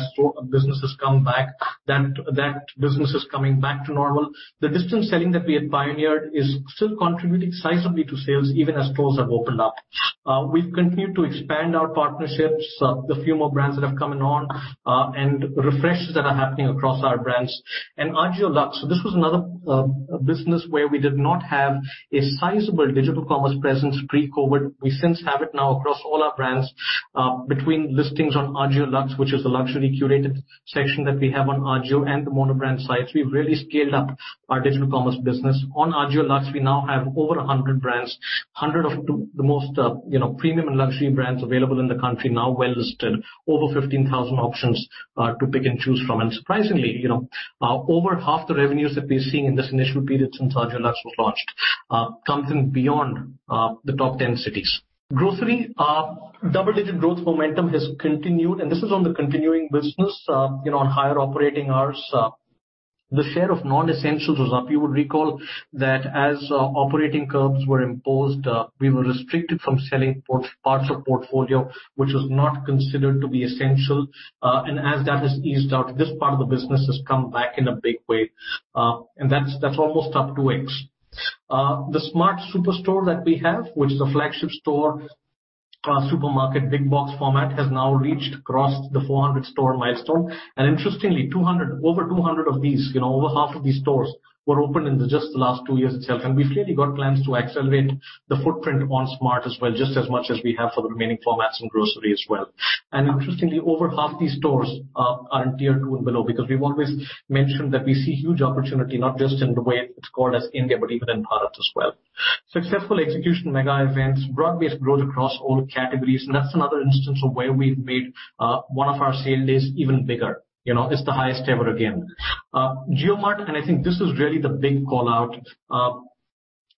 businesses come back, that business is coming back to normal. The distance selling that we had pioneered is still contributing sizably to sales, even as stores have opened up. We've continued to expand our partnerships, the few more brands that have come on, and refreshes that are happening across our brands. AJIO Luxe, this was another business where we did not have a sizable digital commerce presence pre-COVID. We since have it now across all our brands, between listings on AJIO Luxe, which is a luxury curated section that we have on AJIO and the mono brand sites. We've really scaled up our digital commerce business. On AJIO Luxe, we now have over 100 brands, 100 of the most premium and luxury brands available in the country now well listed. Over 15,000 options to pick and choose from. Surprisingly, over half the revenues that we're seeing in this initial period since AJIO Luxe was launched comes in beyond the top 10 cities. Grocery, double-digit growth momentum has continued, this is on the continuing business, on higher operating hours. The share of non-essentials was up. You would recall that as operating curbs were imposed, we were restricted from selling parts of portfolio which was not considered to be essential. As that has eased out, this part of the business has come back in a big way. That's almost up 2x. The Smart Superstore that we have, which is a flagship store, supermarket, big box format, has now reached across the 400 store milestone. Interestingly, over 200 of these, over half of these stores were opened in just the last two years itself. We've clearly got plans to accelerate the footprint on Smart as well, just as much as we have for the remaining formats and grocery as well. Interestingly, over half these stores are in tier two and below, because we've always mentioned that we see huge opportunity, not just in the way it's called as India, but even in products as well. Successful execution mega events, broad-based growth across all categories, and that's another instance of where we've made one of our sale days even bigger. It's the highest ever again. JioMart, I think this is really the big call-out.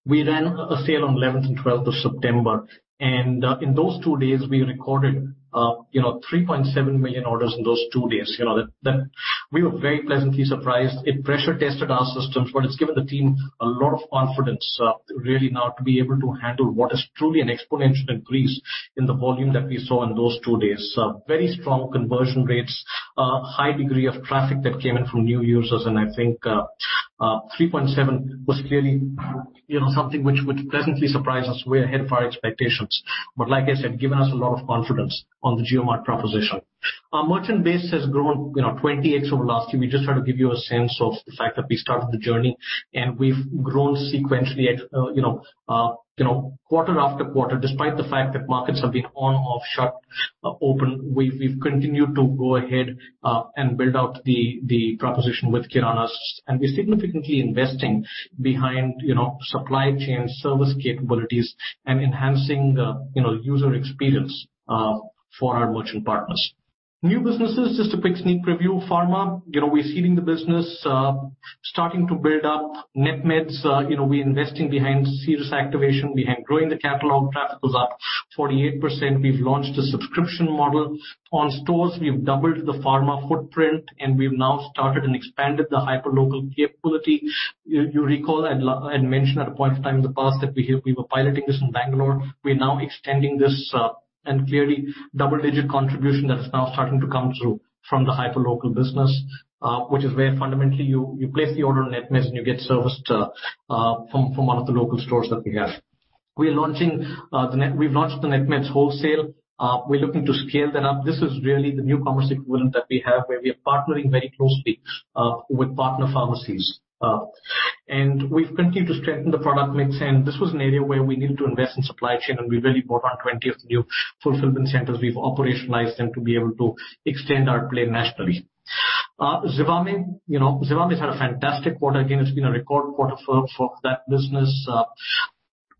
We ran a sale on 11th and 12th of September, and in those two days, we recorded 3.7 million orders in those two days. We were very pleasantly surprised. It pressure tested our systems, it's given the team a lot of confidence, really now to be able to handle what is truly an exponential increase in the volume that we saw in those two days. Very strong conversion rates, high degree of traffic that came in from new users, and I think 3.7 million was clearly something which would pleasantly surprise us. Way ahead of our expectations. Like I said, given us a lot of confidence on the JioMart proposition. Our merchant base has grown 20x over last year. We just had to give you a sense of the fact that we started the journey and we've grown sequentially quarter after quarter, despite the fact that markets have been on, off, shut, open. We've continued to go ahead and build out the proposition with kiranas, and we're significantly investing behind supply chain service capabilities and enhancing the user experience for our merchant partners. New businesses, just a quick sneak preview. Pharma, we're seeding the business, starting to build up. Netmeds, we're investing behind serious activation. We have grown the catalog. Traffic was up 48%. We've launched a subscription model. On stores, we've doubled the pharma footprint, and we've now started and expanded the hyperlocal capability. You recall I'd mentioned at a point of time in the past that we were piloting this in Bangalore. We're now extending this, and clearly, double-digit contribution that is now starting to come through from the hyperlocal business, which is where fundamentally you place the order on Netmeds, and you get serviced from one of the local stores that we have. We've launched the Netmeds Wholesale. We're looking to scale that up. This is really the new commerce equivalent that we have, where we are partnering very closely with partner pharmacies. We've continued to strengthen the product mix, and this was an area where we needed to invest in supply chain, and we really brought on 20 new fulfillment centers. We've operationalized them to be able to extend our play nationally. Zivame has had a fantastic quarter. Again, it's been a record quarter for that business.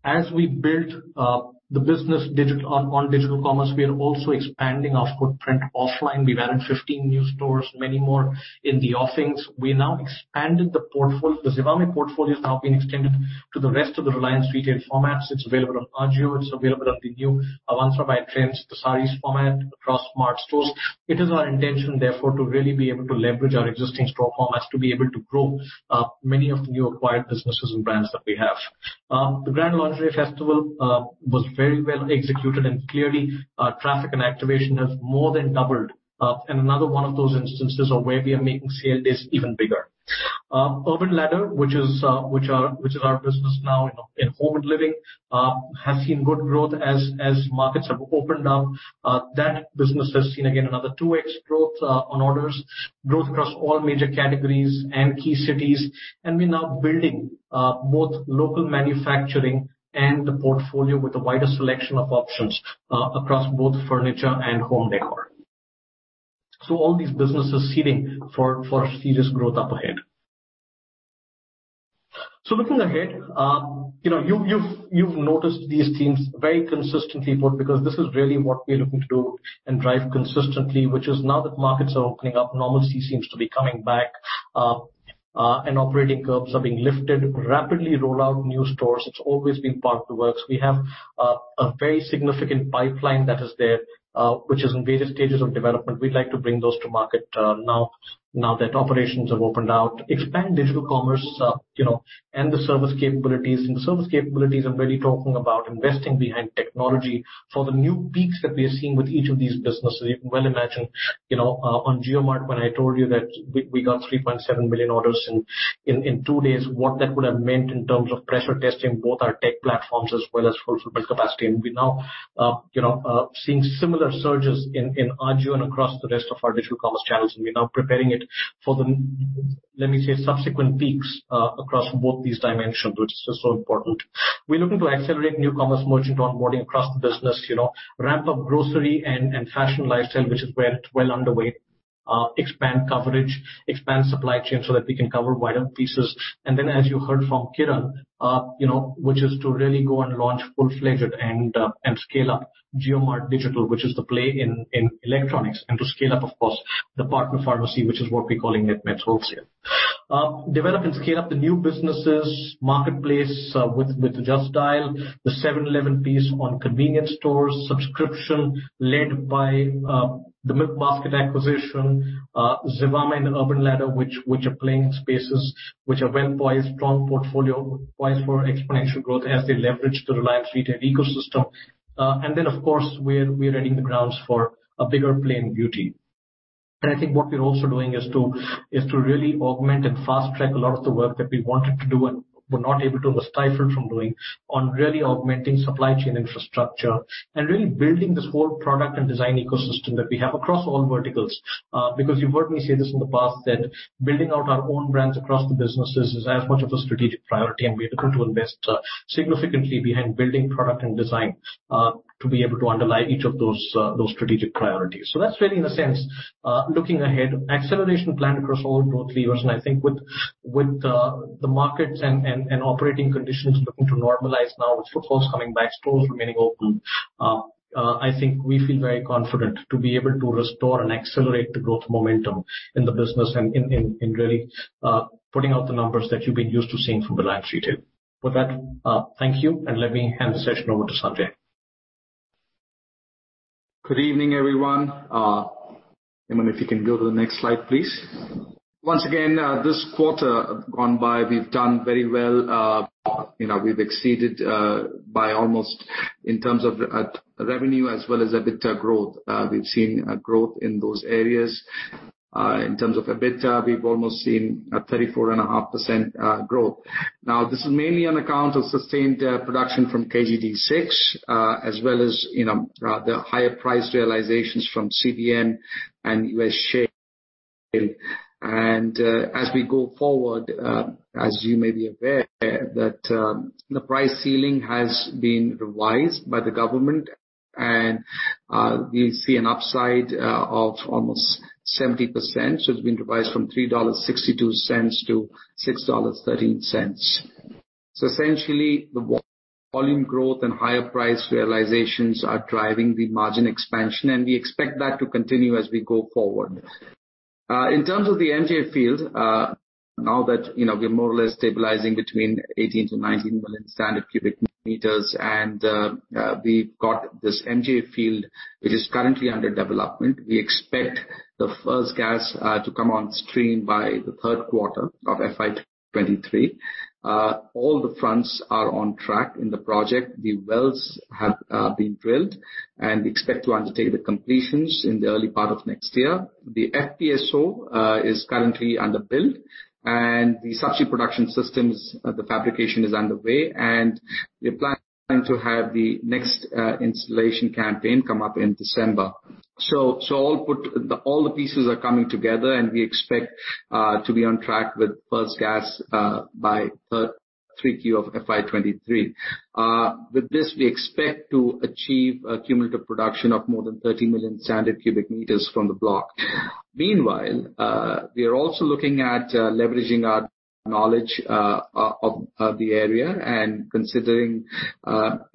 As we build the business on digital commerce, we are also expanding our footprint offline. We've added 15 new stores, many more in the offings. We now expanded the portfolio. The Zivame portfolio has now been extended to the rest of the Reliance Retail formats. It's available on AJIO. It's available on the new Avantra by Trends, the sarees format, across Smart stores. It is our intention, therefore, to really be able to leverage our existing store formats to be able to grow many of the new acquired businesses and brands that we have. The Grand Lingerie Festival was very well executed, and clearly, traffic and activation have more than doubled. Another one of those instances of where we are making sale days even bigger. Urban Ladder, which is our business now in home and living, has seen good growth as markets have opened up. That business has seen, again, another 2x growth on orders. Growth across all major categories and key cities. We're now building both local manufacturing and the portfolio with a wider selection of options across both furniture and home décor. All these businesses seeding for serious growth up ahead. Looking ahead, you've noticed these themes very consistently put, because this is really what we're looking to do and drive consistently. Which is now that markets are opening up, normalcy seems to be coming back, and operating curbs are being lifted. Rapidly roll out new stores. It's always been part of the works. We have a very significant pipeline that is there, which is in various stages of development. We'd like to bring those to market now that operations have opened out, expand digital commerce, and the service capabilities. In the service capabilities, I'm really talking about investing behind technology for the new peaks that we are seeing with each of these businesses. You can well imagine, on JioMart, when I told you that we got 3.7 million orders in two days, what that would have meant in terms of pressure testing both our tech platforms as well as fulfillment capacity. We're now seeing similar surges in AJIO and across the rest of our digital commerce channels, and we're now preparing it for the, let me say, subsequent peaks across both these dimensions, which is so important. We're looking to accelerate new commerce merchant onboarding across the business. Ramp up grocery and fashion lifestyle, which is well underway. Expand coverage, expand supply chain so that we can cover wider pieces. As you heard from Kiran, which is to really go and launch full-fledged and scale up JioMart Digital, which is the play in electronics. To scale up, of course, the partner pharmacy, which is what we're calling it Netmeds Wholesale. Develop and scale up the new businesses marketplace, with Just Dial, the 7-Eleven piece on convenience stores, subscription led by the Milkbasket acquisition, Zivame and Urban Ladder, which are playing in spaces which are well poised, strong portfolio-wise for exponential growth as they leverage the Reliance Retail ecosystem. Of course, we're readying the grounds for a bigger play in beauty. I think what we're also doing is to really augment and fast-track a lot of the work that we wanted to do and were not able to or were stifled from doing on really augmenting supply chain infrastructure and really building this whole product and design ecosystem that we have across all verticals. You've heard me say this in the past, that building out our own brands across the businesses is as much of a strategic priority, and we are looking to invest significantly behind building product and design, to be able to underlie each of those strategic priorities. That's really, in a sense, looking ahead, acceleration plan across all growth levers. I think with the markets and operating conditions looking to normalize now with footfalls coming back, stores remaining open, I think we feel very confident to be able to restore and accelerate the growth momentum in the business and in really putting out the numbers that you've been used to seeing from Reliance Retail. With that, thank you, and let me hand the session over to Sanjay. Good evening, everyone. Hemant, if you can go to the next slide, please. Once again, this quarter gone by, we've done very well. We've exceeded by almost in terms of revenue as well as EBITDA growth. We've seen a growth in those areas. In terms of EBITDA, we've almost seen a 34.5% growth. This is mainly on account of sustained production from KG D6, as well as the higher price realizations from CBM and U.S. Shale. As we go forward, as you may be aware that the price ceiling has been revised by the government, we see an upside of almost 70%. It's been revised from $3.62 to $6.13. Essentially, the volume growth and higher price realizations are driving the margin expansion, we expect that to continue as we go forward. In terms of the MJ field, now that we're more or less stabilizing between 18 million standard cubic meters-19 million standard cubic meters and we've got this MJ field which is currently under development. We expect the first gas to come on stream by the third quarter of FY 2023. All the fronts are on track in the project. The wells have been drilled, and we expect to undertake the completions in the early part of next year. The FPSO is currently under build, and the subsea production systems, the fabrication is underway, and we're planning to have the next installation campaign come up in December. All the pieces are coming together, and we expect to be on track with first gas by third 3Q of FY 2023. With this, we expect to achieve a cumulative production of more than 30 million standard cubic meters from the block. Meanwhile, we are also looking at leveraging our knowledge of the area and considering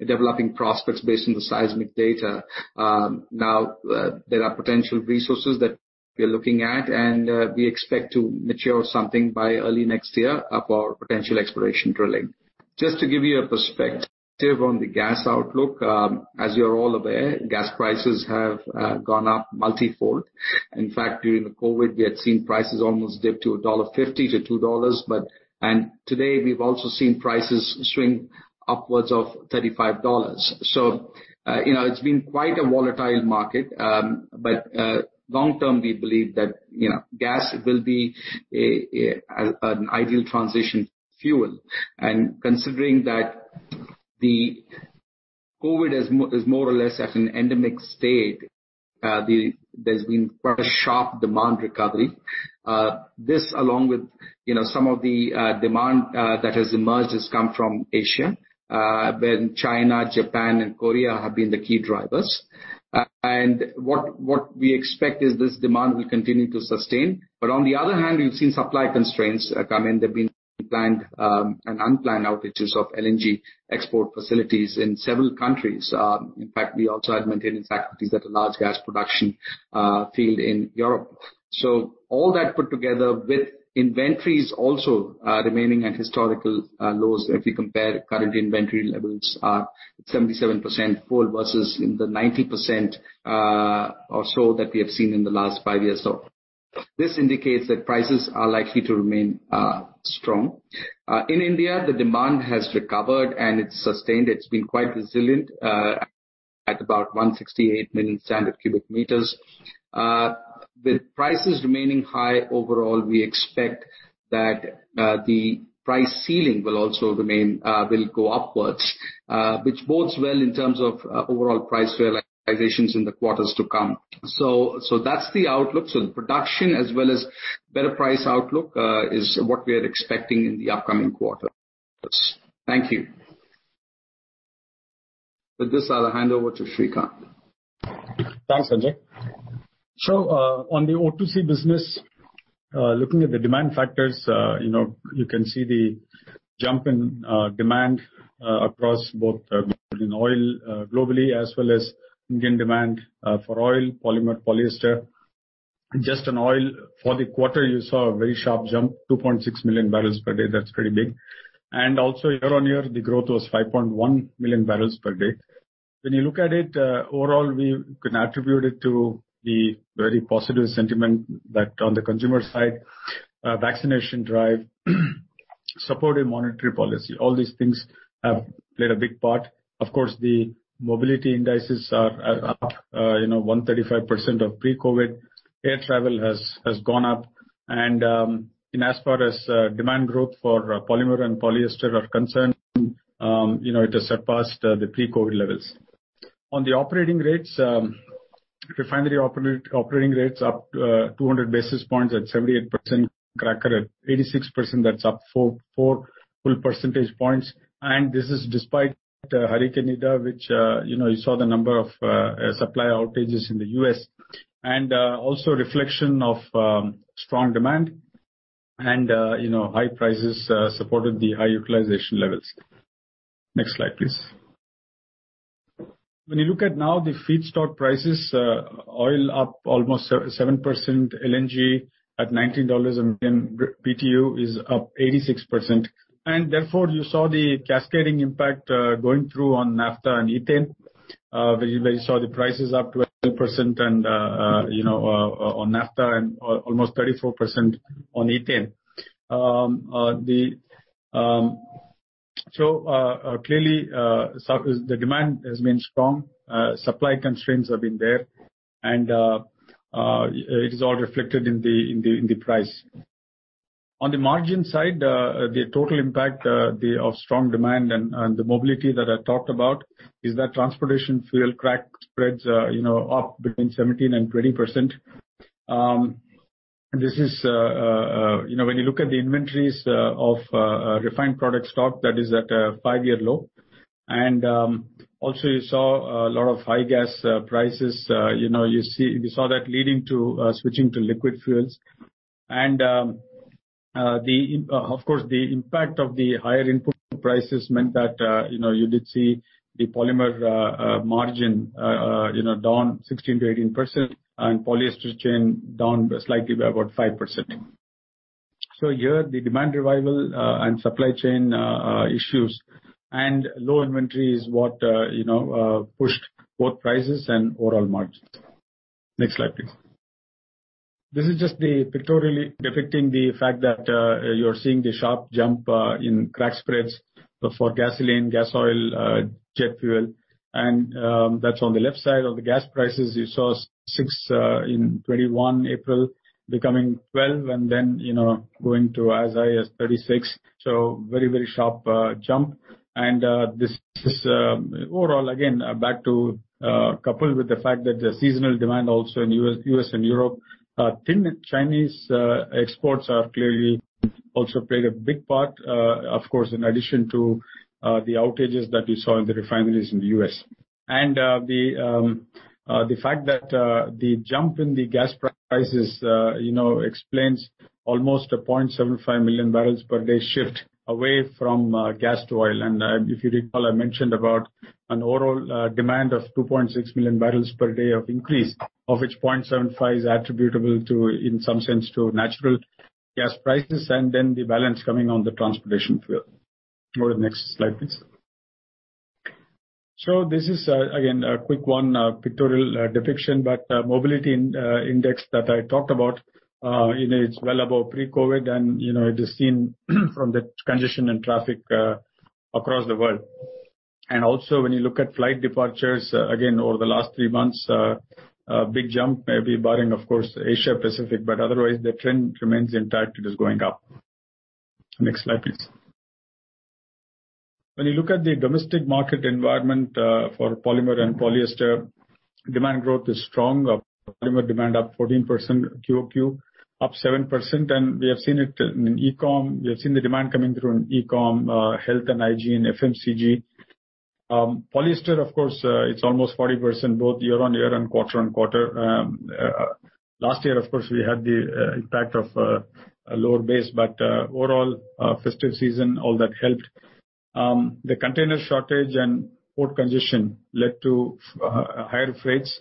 developing prospects based on the seismic data. There are potential resources that we are looking at, and we expect to mature something by early next year for potential exploration drilling. Just to give you a perspective on the gas outlook. As you're all aware, gas prices have gone up multifold. In fact, during the COVID, we had seen prices almost dip to $1.50-$2. Today, we've also seen prices swing upwards of $35. It's been quite a volatile market. Long-term, we believe that gas will be an ideal transition fuel. Considering that the COVID is more or less at an endemic state, there's been quite a sharp demand recovery. This along with some of the demand that has emerged has come from Asia, where China, Japan, and Korea have been the key drivers. What we expect is this demand will continue to sustain. On the other hand, we've seen supply constraints come in. There've been planned and unplanned outages of LNG export facilities in several countries. In fact, we also had maintenance activities at a large gas production field in Europe. All that put together with inventories also remaining at historical lows if we compare current inventory levels are 77% full versus in the 90% or so that we have seen in the last five years or so. This indicates that prices are likely to remain strong. In India, the demand has recovered and it's sustained. It's been quite resilient, at about 168 million standard cubic meters. With prices remaining high overall, we expect that the price ceiling will go upwards, which bodes well in terms of overall price realizations in the quarters to come. That's the outlook. The production as well as better price outlook, is what we are expecting in the upcoming quarters. Thank you. With this, I'll hand over to Srikanth. Thanks, Sanjay. On the O2C business, looking at the demand factors, you can see the jump in demand across both crude oil globally as well as Indian demand for oil, polymer, polyester. Just in oil for the quarter, you saw a very sharp jump, 2.6 MMbpd. That's pretty big. Also year-on-year, the growth was 5.1 MMbpd. When you look at it, overall, we can attribute it to the very positive sentiment that on the consumer side, vaccination drive, supportive monetary policy, all these things have played a big part. Of course, the mobility indices are up 135% of pre-COVID. Air travel has gone up, as far as demand growth for polymer and polyester are concerned, it has surpassed the pre-COVID levels. On the operating rates, refinery operating rates up 200 basis points at 78%, cracker at 86%. That's up 4 full percentage points. This is despite Hurricane Ida, which you saw the number of supply outages in the U.S. Also reflection of strong demand and high prices supported the high utilization levels. Next slide, please. When you look at now the feedstock prices, oil up almost 7%, LNG at $19 a million BTU is up 86%. Therefore you saw the cascading impact, going through on naphtha and ethane. Where you saw the prices up to 18% and on naphtha and almost 34% on ethane. Clearly, the demand has been strong, supply constraints have been there, and it is all reflected in the price. On the margin side, the total impact of strong demand and the mobility that I talked about is that transportation fuel crack spreads are up between 17% and 20%. When you look at the inventories of refined product stock, that is at a five-year low. Also you saw a lot of high gas prices. We saw that leading to switching to liquid fuels. Of course, the impact of the higher input prices meant that you did see the polymer margin down 16%-18% and polyester chain down slightly by about 5%. Here the demand revival and supply chain issues and low inventory is what pushed both prices and overall margins. Next slide, please. This is just pictorially depicting the fact that you're seeing the sharp jump in crack spreads for gasoline, gas oil, jet fuel, and that's on the left side. Of the gas prices, you saw $6 in 2021 April becoming $12 and then going to as high as $36. Very sharp jump. This is overall, again, coupled with the fact that the seasonal demand also in U.S. and Europe, thin Chinese exports have clearly also played a big part. Of course, in addition to the outages that we saw in the refineries in the U.S. The fact that the jump in the gas prices explains almost a 0.75 MMbpd shift away from gas to oil. If you recall, I mentioned about an overall demand of 2.6 MMbpd of increase, of which 0.75 MMbpd is attributable in some sense to natural gas prices, and then the balance coming on the transportation fuel. Go to the next slide, please. This is again a quick one, a pictorial depiction, but mobility index that I talked about, it's well above pre-COVID and it is seen from the congestion and traffic across the world. When you look at flight departures again over the last three months, a big jump, maybe barring, of course, Asia-Pacific, but otherwise the trend remains intact. It is going up. Next slide, please. When you look at the domestic market environment for polymer and polyester, demand growth is strong. Polymer demand up 14%, QoQ up 7%, and we have seen it in e-com. We have seen the demand coming through in e-com, health and hygiene, FMCG. Polyester, of course, it's almost 40% both year-on-year and quarter-on-quarter. Last year, of course, we had the impact of a lower base, but overall, festive season, all that helped. The container shortage and port congestion led to higher freights.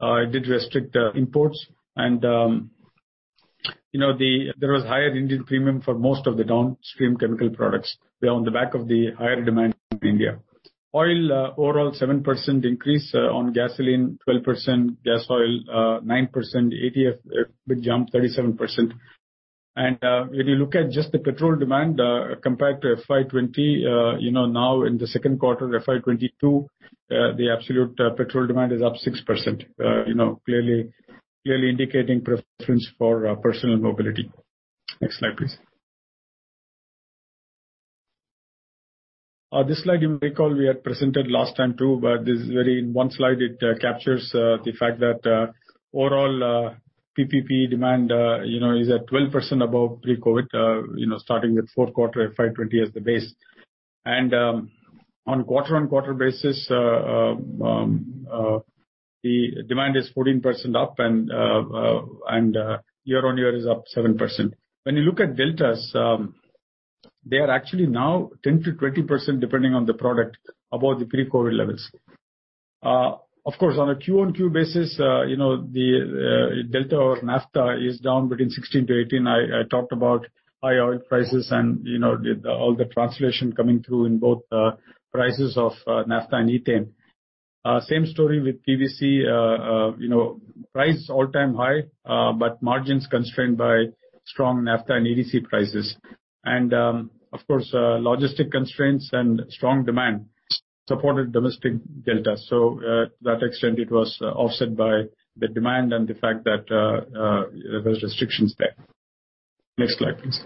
It did restrict imports and there was higher Indian premium for most of the downstream chemical products. They are on the back of the higher demand in India. Oil, overall 7% increase on gasoline, 12%, gas oil 9%, ATF big jump, 37%. When you look at just the petrol demand compared to FY 2020, now in the second quarter of FY 2022, the absolute petrol demand is up 6%, clearly indicating preference for personal mobility. Next slide, please. This slide you may recall we had presented last time, too, but in one slide it captures the fact that overall PP demand is at 12% above pre-COVID, starting with fourth quarter FY 2020 as the base. On quarter-on-quarter basis, the demand is 14% up and year-on-year is up 7%. When you look at deltas, they are actually now 10%-20% depending on the product, above the pre-COVID levels. Of course, on a Q-on-Q basis, the delta or naphtha is down between 16%-18%. I talked about high oil prices and all the translation coming through in both prices of naphtha and ethane. Same story with PVC. Price all-time high, margins constrained by strong naphtha and EDC prices. Of course, logistic constraints and strong demand supported domestic delta. To that extent, it was offset by the demand and the fact that there was restrictions there. Next slide, please.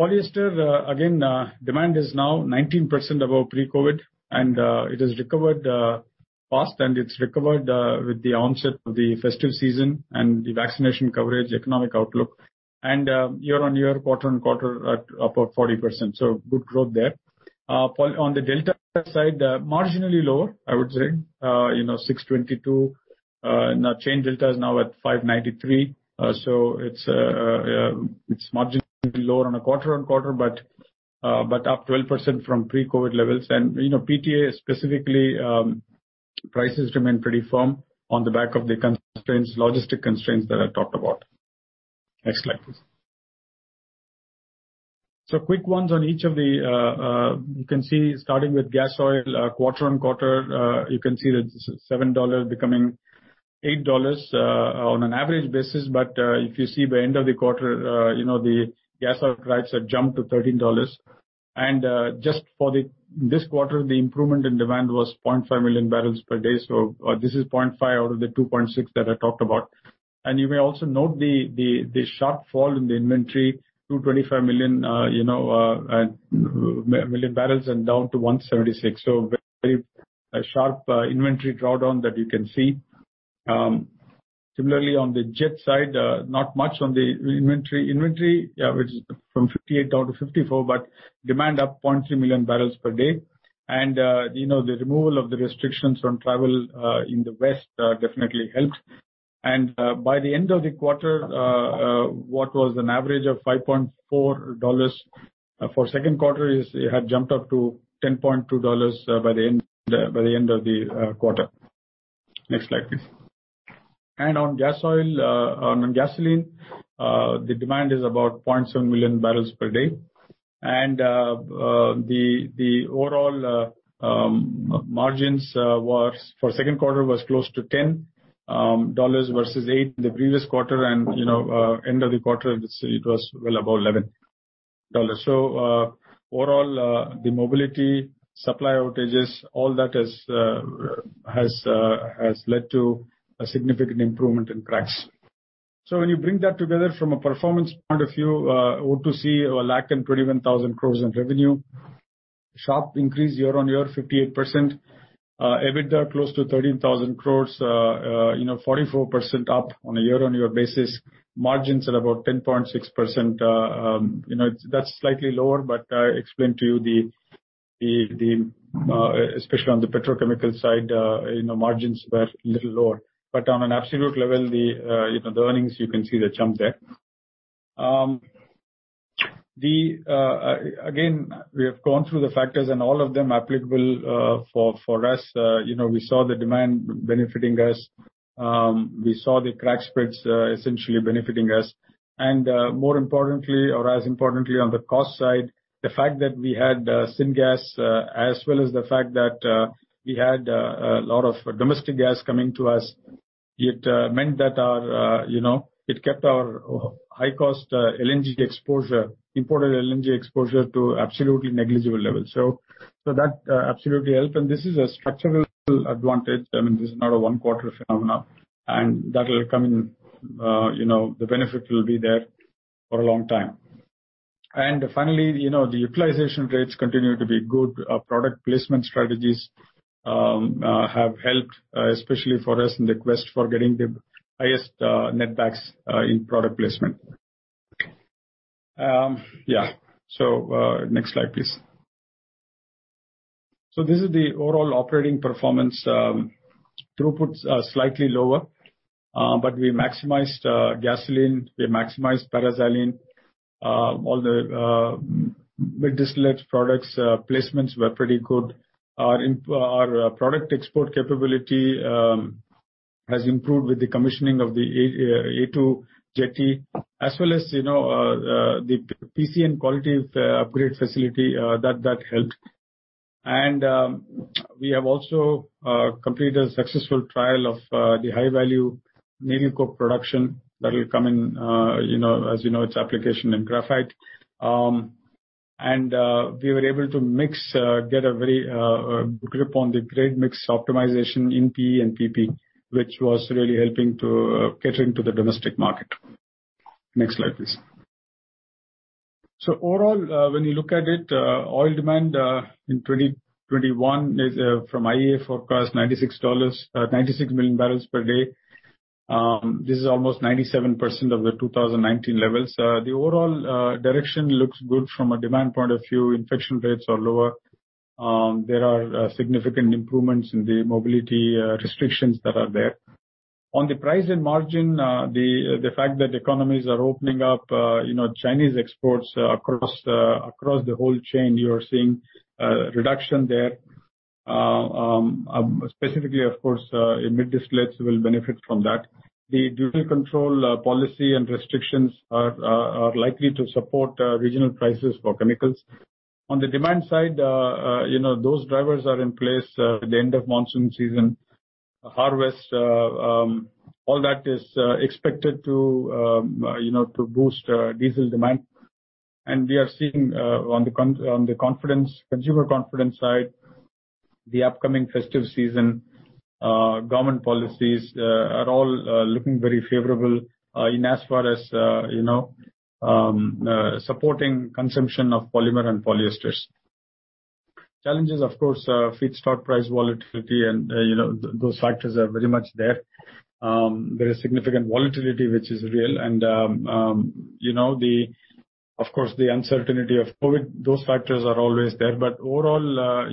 Polyester, again, demand is now 19% above pre-COVID, and it has recovered fast, and it's recovered with the onset of the festive season and the vaccination coverage, economic outlook. Year-on-year, quarter-on-quarter at about 40%. Good growth there. On the delta side, marginally lower, I would say, $622 per metric ton. Chain delta is now at $593 per metric ton. It's marginally lower on a quarter-on-quarter, but up 12% from pre-COVID levels. PTA specifically, prices remain pretty firm on the back of the constraints, logistic constraints that I talked about. Next slide, please. You can see starting with gas oil, quarter-on-quarter, you can see the $7 per bbl becoming $8 per bbl on an average basis. If you see by end of the quarter, the gas oil price had jumped to $13 per bbl. Just for this quarter, the improvement in demand was 0.5 MMbpd. This is 0.5 MMbpd out of the 2.6 MMbpd that I talked about. You may also note the sharp fall in the inventory 225 million barrels and down to 176 million barrels. Very sharp inventory drawdown that you can see. Similarly, on the jet side, not much on the inventory. Inventory, which is from 58 million barrels down to 54 million barrels, demand up 0.3 MMbpd. The removal of the restrictions from travel in the West definitely helped. By the end of the quarter, what was an average of $5.4 per barrel for second quarter had jumped up to $10.2 per barrel by the end of the quarter. Next slide, please. On gasoline, the demand is about 0.7 MMbpd. The overall margins for second quarter was close to $10 per barrel versus $8 per barrel in the previous quarter. End of the quarter, it was well above $11 per barrel. Overall, the mobility, supply outages, all that has led to a significant improvement in cracks. When you bring that together from a performance point of view, O2C 120,000 crore in revenue. Sharp increase year-on-year, 58%. EBITDA close to 13,000 crore, 44% up on a year-on-year basis. Margins at about 10.6%. That's slightly lower, I explained to you the, especially on the petrochemical side, margins were a little lower. On an absolute level, the earnings, you can see the jump there. Again, we have gone through the factors, all of them applicable for us. We saw the demand benefiting us. We saw the crack spreads essentially benefiting us. More importantly, or as importantly on the cost side, the fact that we had syngas, as well as the fact that we had a lot of domestic gas coming to us, it meant that it kept our high cost imported LNG exposure to absolutely negligible levels. That absolutely helped. I mean, this is not a one-quarter phenomenon. That will come in, the benefit will be there for a long time. Finally, the utilization rates continue to be good. Our product placement strategies have helped, especially for us in the quest for getting the highest netbacks in product placement. Yeah. Next slide, please. This is the overall operating performance. Throughputs are slightly lower. We maximized gasoline, we maximized paraxylene. All the middle distillates products placements were pretty good. Our product export capability has improved with the commissioning of the A2 jetty as well as the PCN quality upgrade facility that helped. We have also completed a successful trial of the high-value needle coke production that will come in, as you know, its application in graphite. We were able to get a very good grip on the grade mix optimization in PE and PP, which was really helping to cater to the domestic market. Next slide, please. Overall, when you look at it, oil demand in 2021 is from IEA forecast 96 MMbpd. This is almost 97% of the 2019 levels. The overall direction looks good from a demand point of view. Infection rates are lower. There are significant improvements in the mobility restrictions that are there. On the price and margin, the fact that economies are opening up, Chinese exports across the whole chain, you are seeing a reduction there. Specifically, of course, mid distillates will benefit from that. The dual control policy and restrictions are likely to support regional prices for chemicals. On the demand side, those drivers are in place. The end of monsoon season, harvest, all that is expected to boost diesel demand. We are seeing on the consumer confidence side, the upcoming festive season, government policies are all looking very favorable in as far as supporting consumption of polymer and polyesters. Challenges, of course, feedstock price volatility and those factors are very much there. There is significant volatility, which is real, and of course, the uncertainty of COVID, those factors are always there. Overall,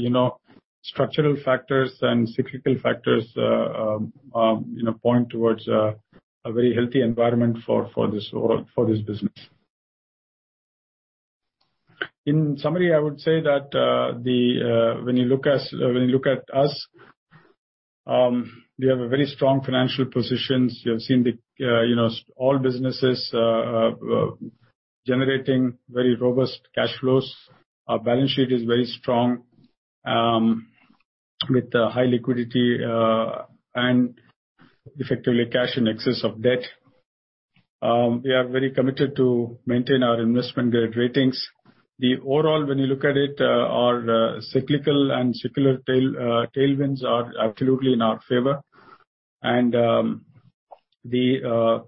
structural factors and cyclical factors point towards a very healthy environment for this business. In summary, I would say that when you look at us, we have a very strong financial positions. You have seen all businesses generating very robust cash flows. Our balance sheet is very strong with high liquidity and effectively cash in excess of debt. We are very committed to maintain our investment-grade ratings. The overall, when you look at it, our cyclical and secular tailwinds are absolutely in our favor. The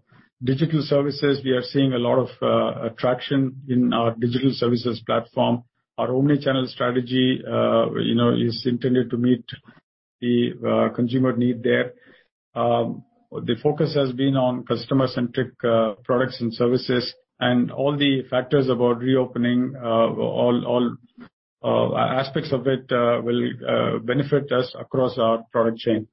digital services, we are seeing a lot of traction in our digital services platform. Our omni-channel strategy is intended to meet the consumer need there. The focus has been on customer-centric products and services, and all the factors about reopening, all aspects of it will benefit us across our product chain.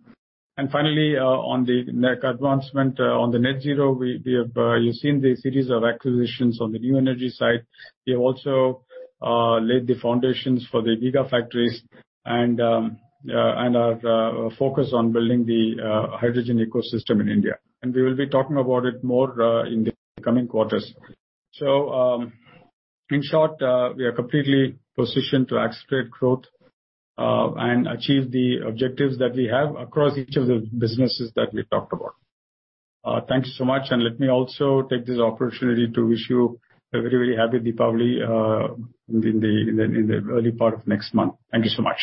Finally, on the next advancement on the net zero, you've seen the series of acquisitions on the new energy side. We have also laid the foundations for the gigafactories and are focused on building the hydrogen ecosystem in India. We will be talking about it more in the coming quarters. In short, we are completely positioned to accelerate growth and achieve the objectives that we have across each of the businesses that we talked about. Thank you so much. Let me also take this opportunity to wish you a very, very happy Diwali in the early part of next month. Thank you so much.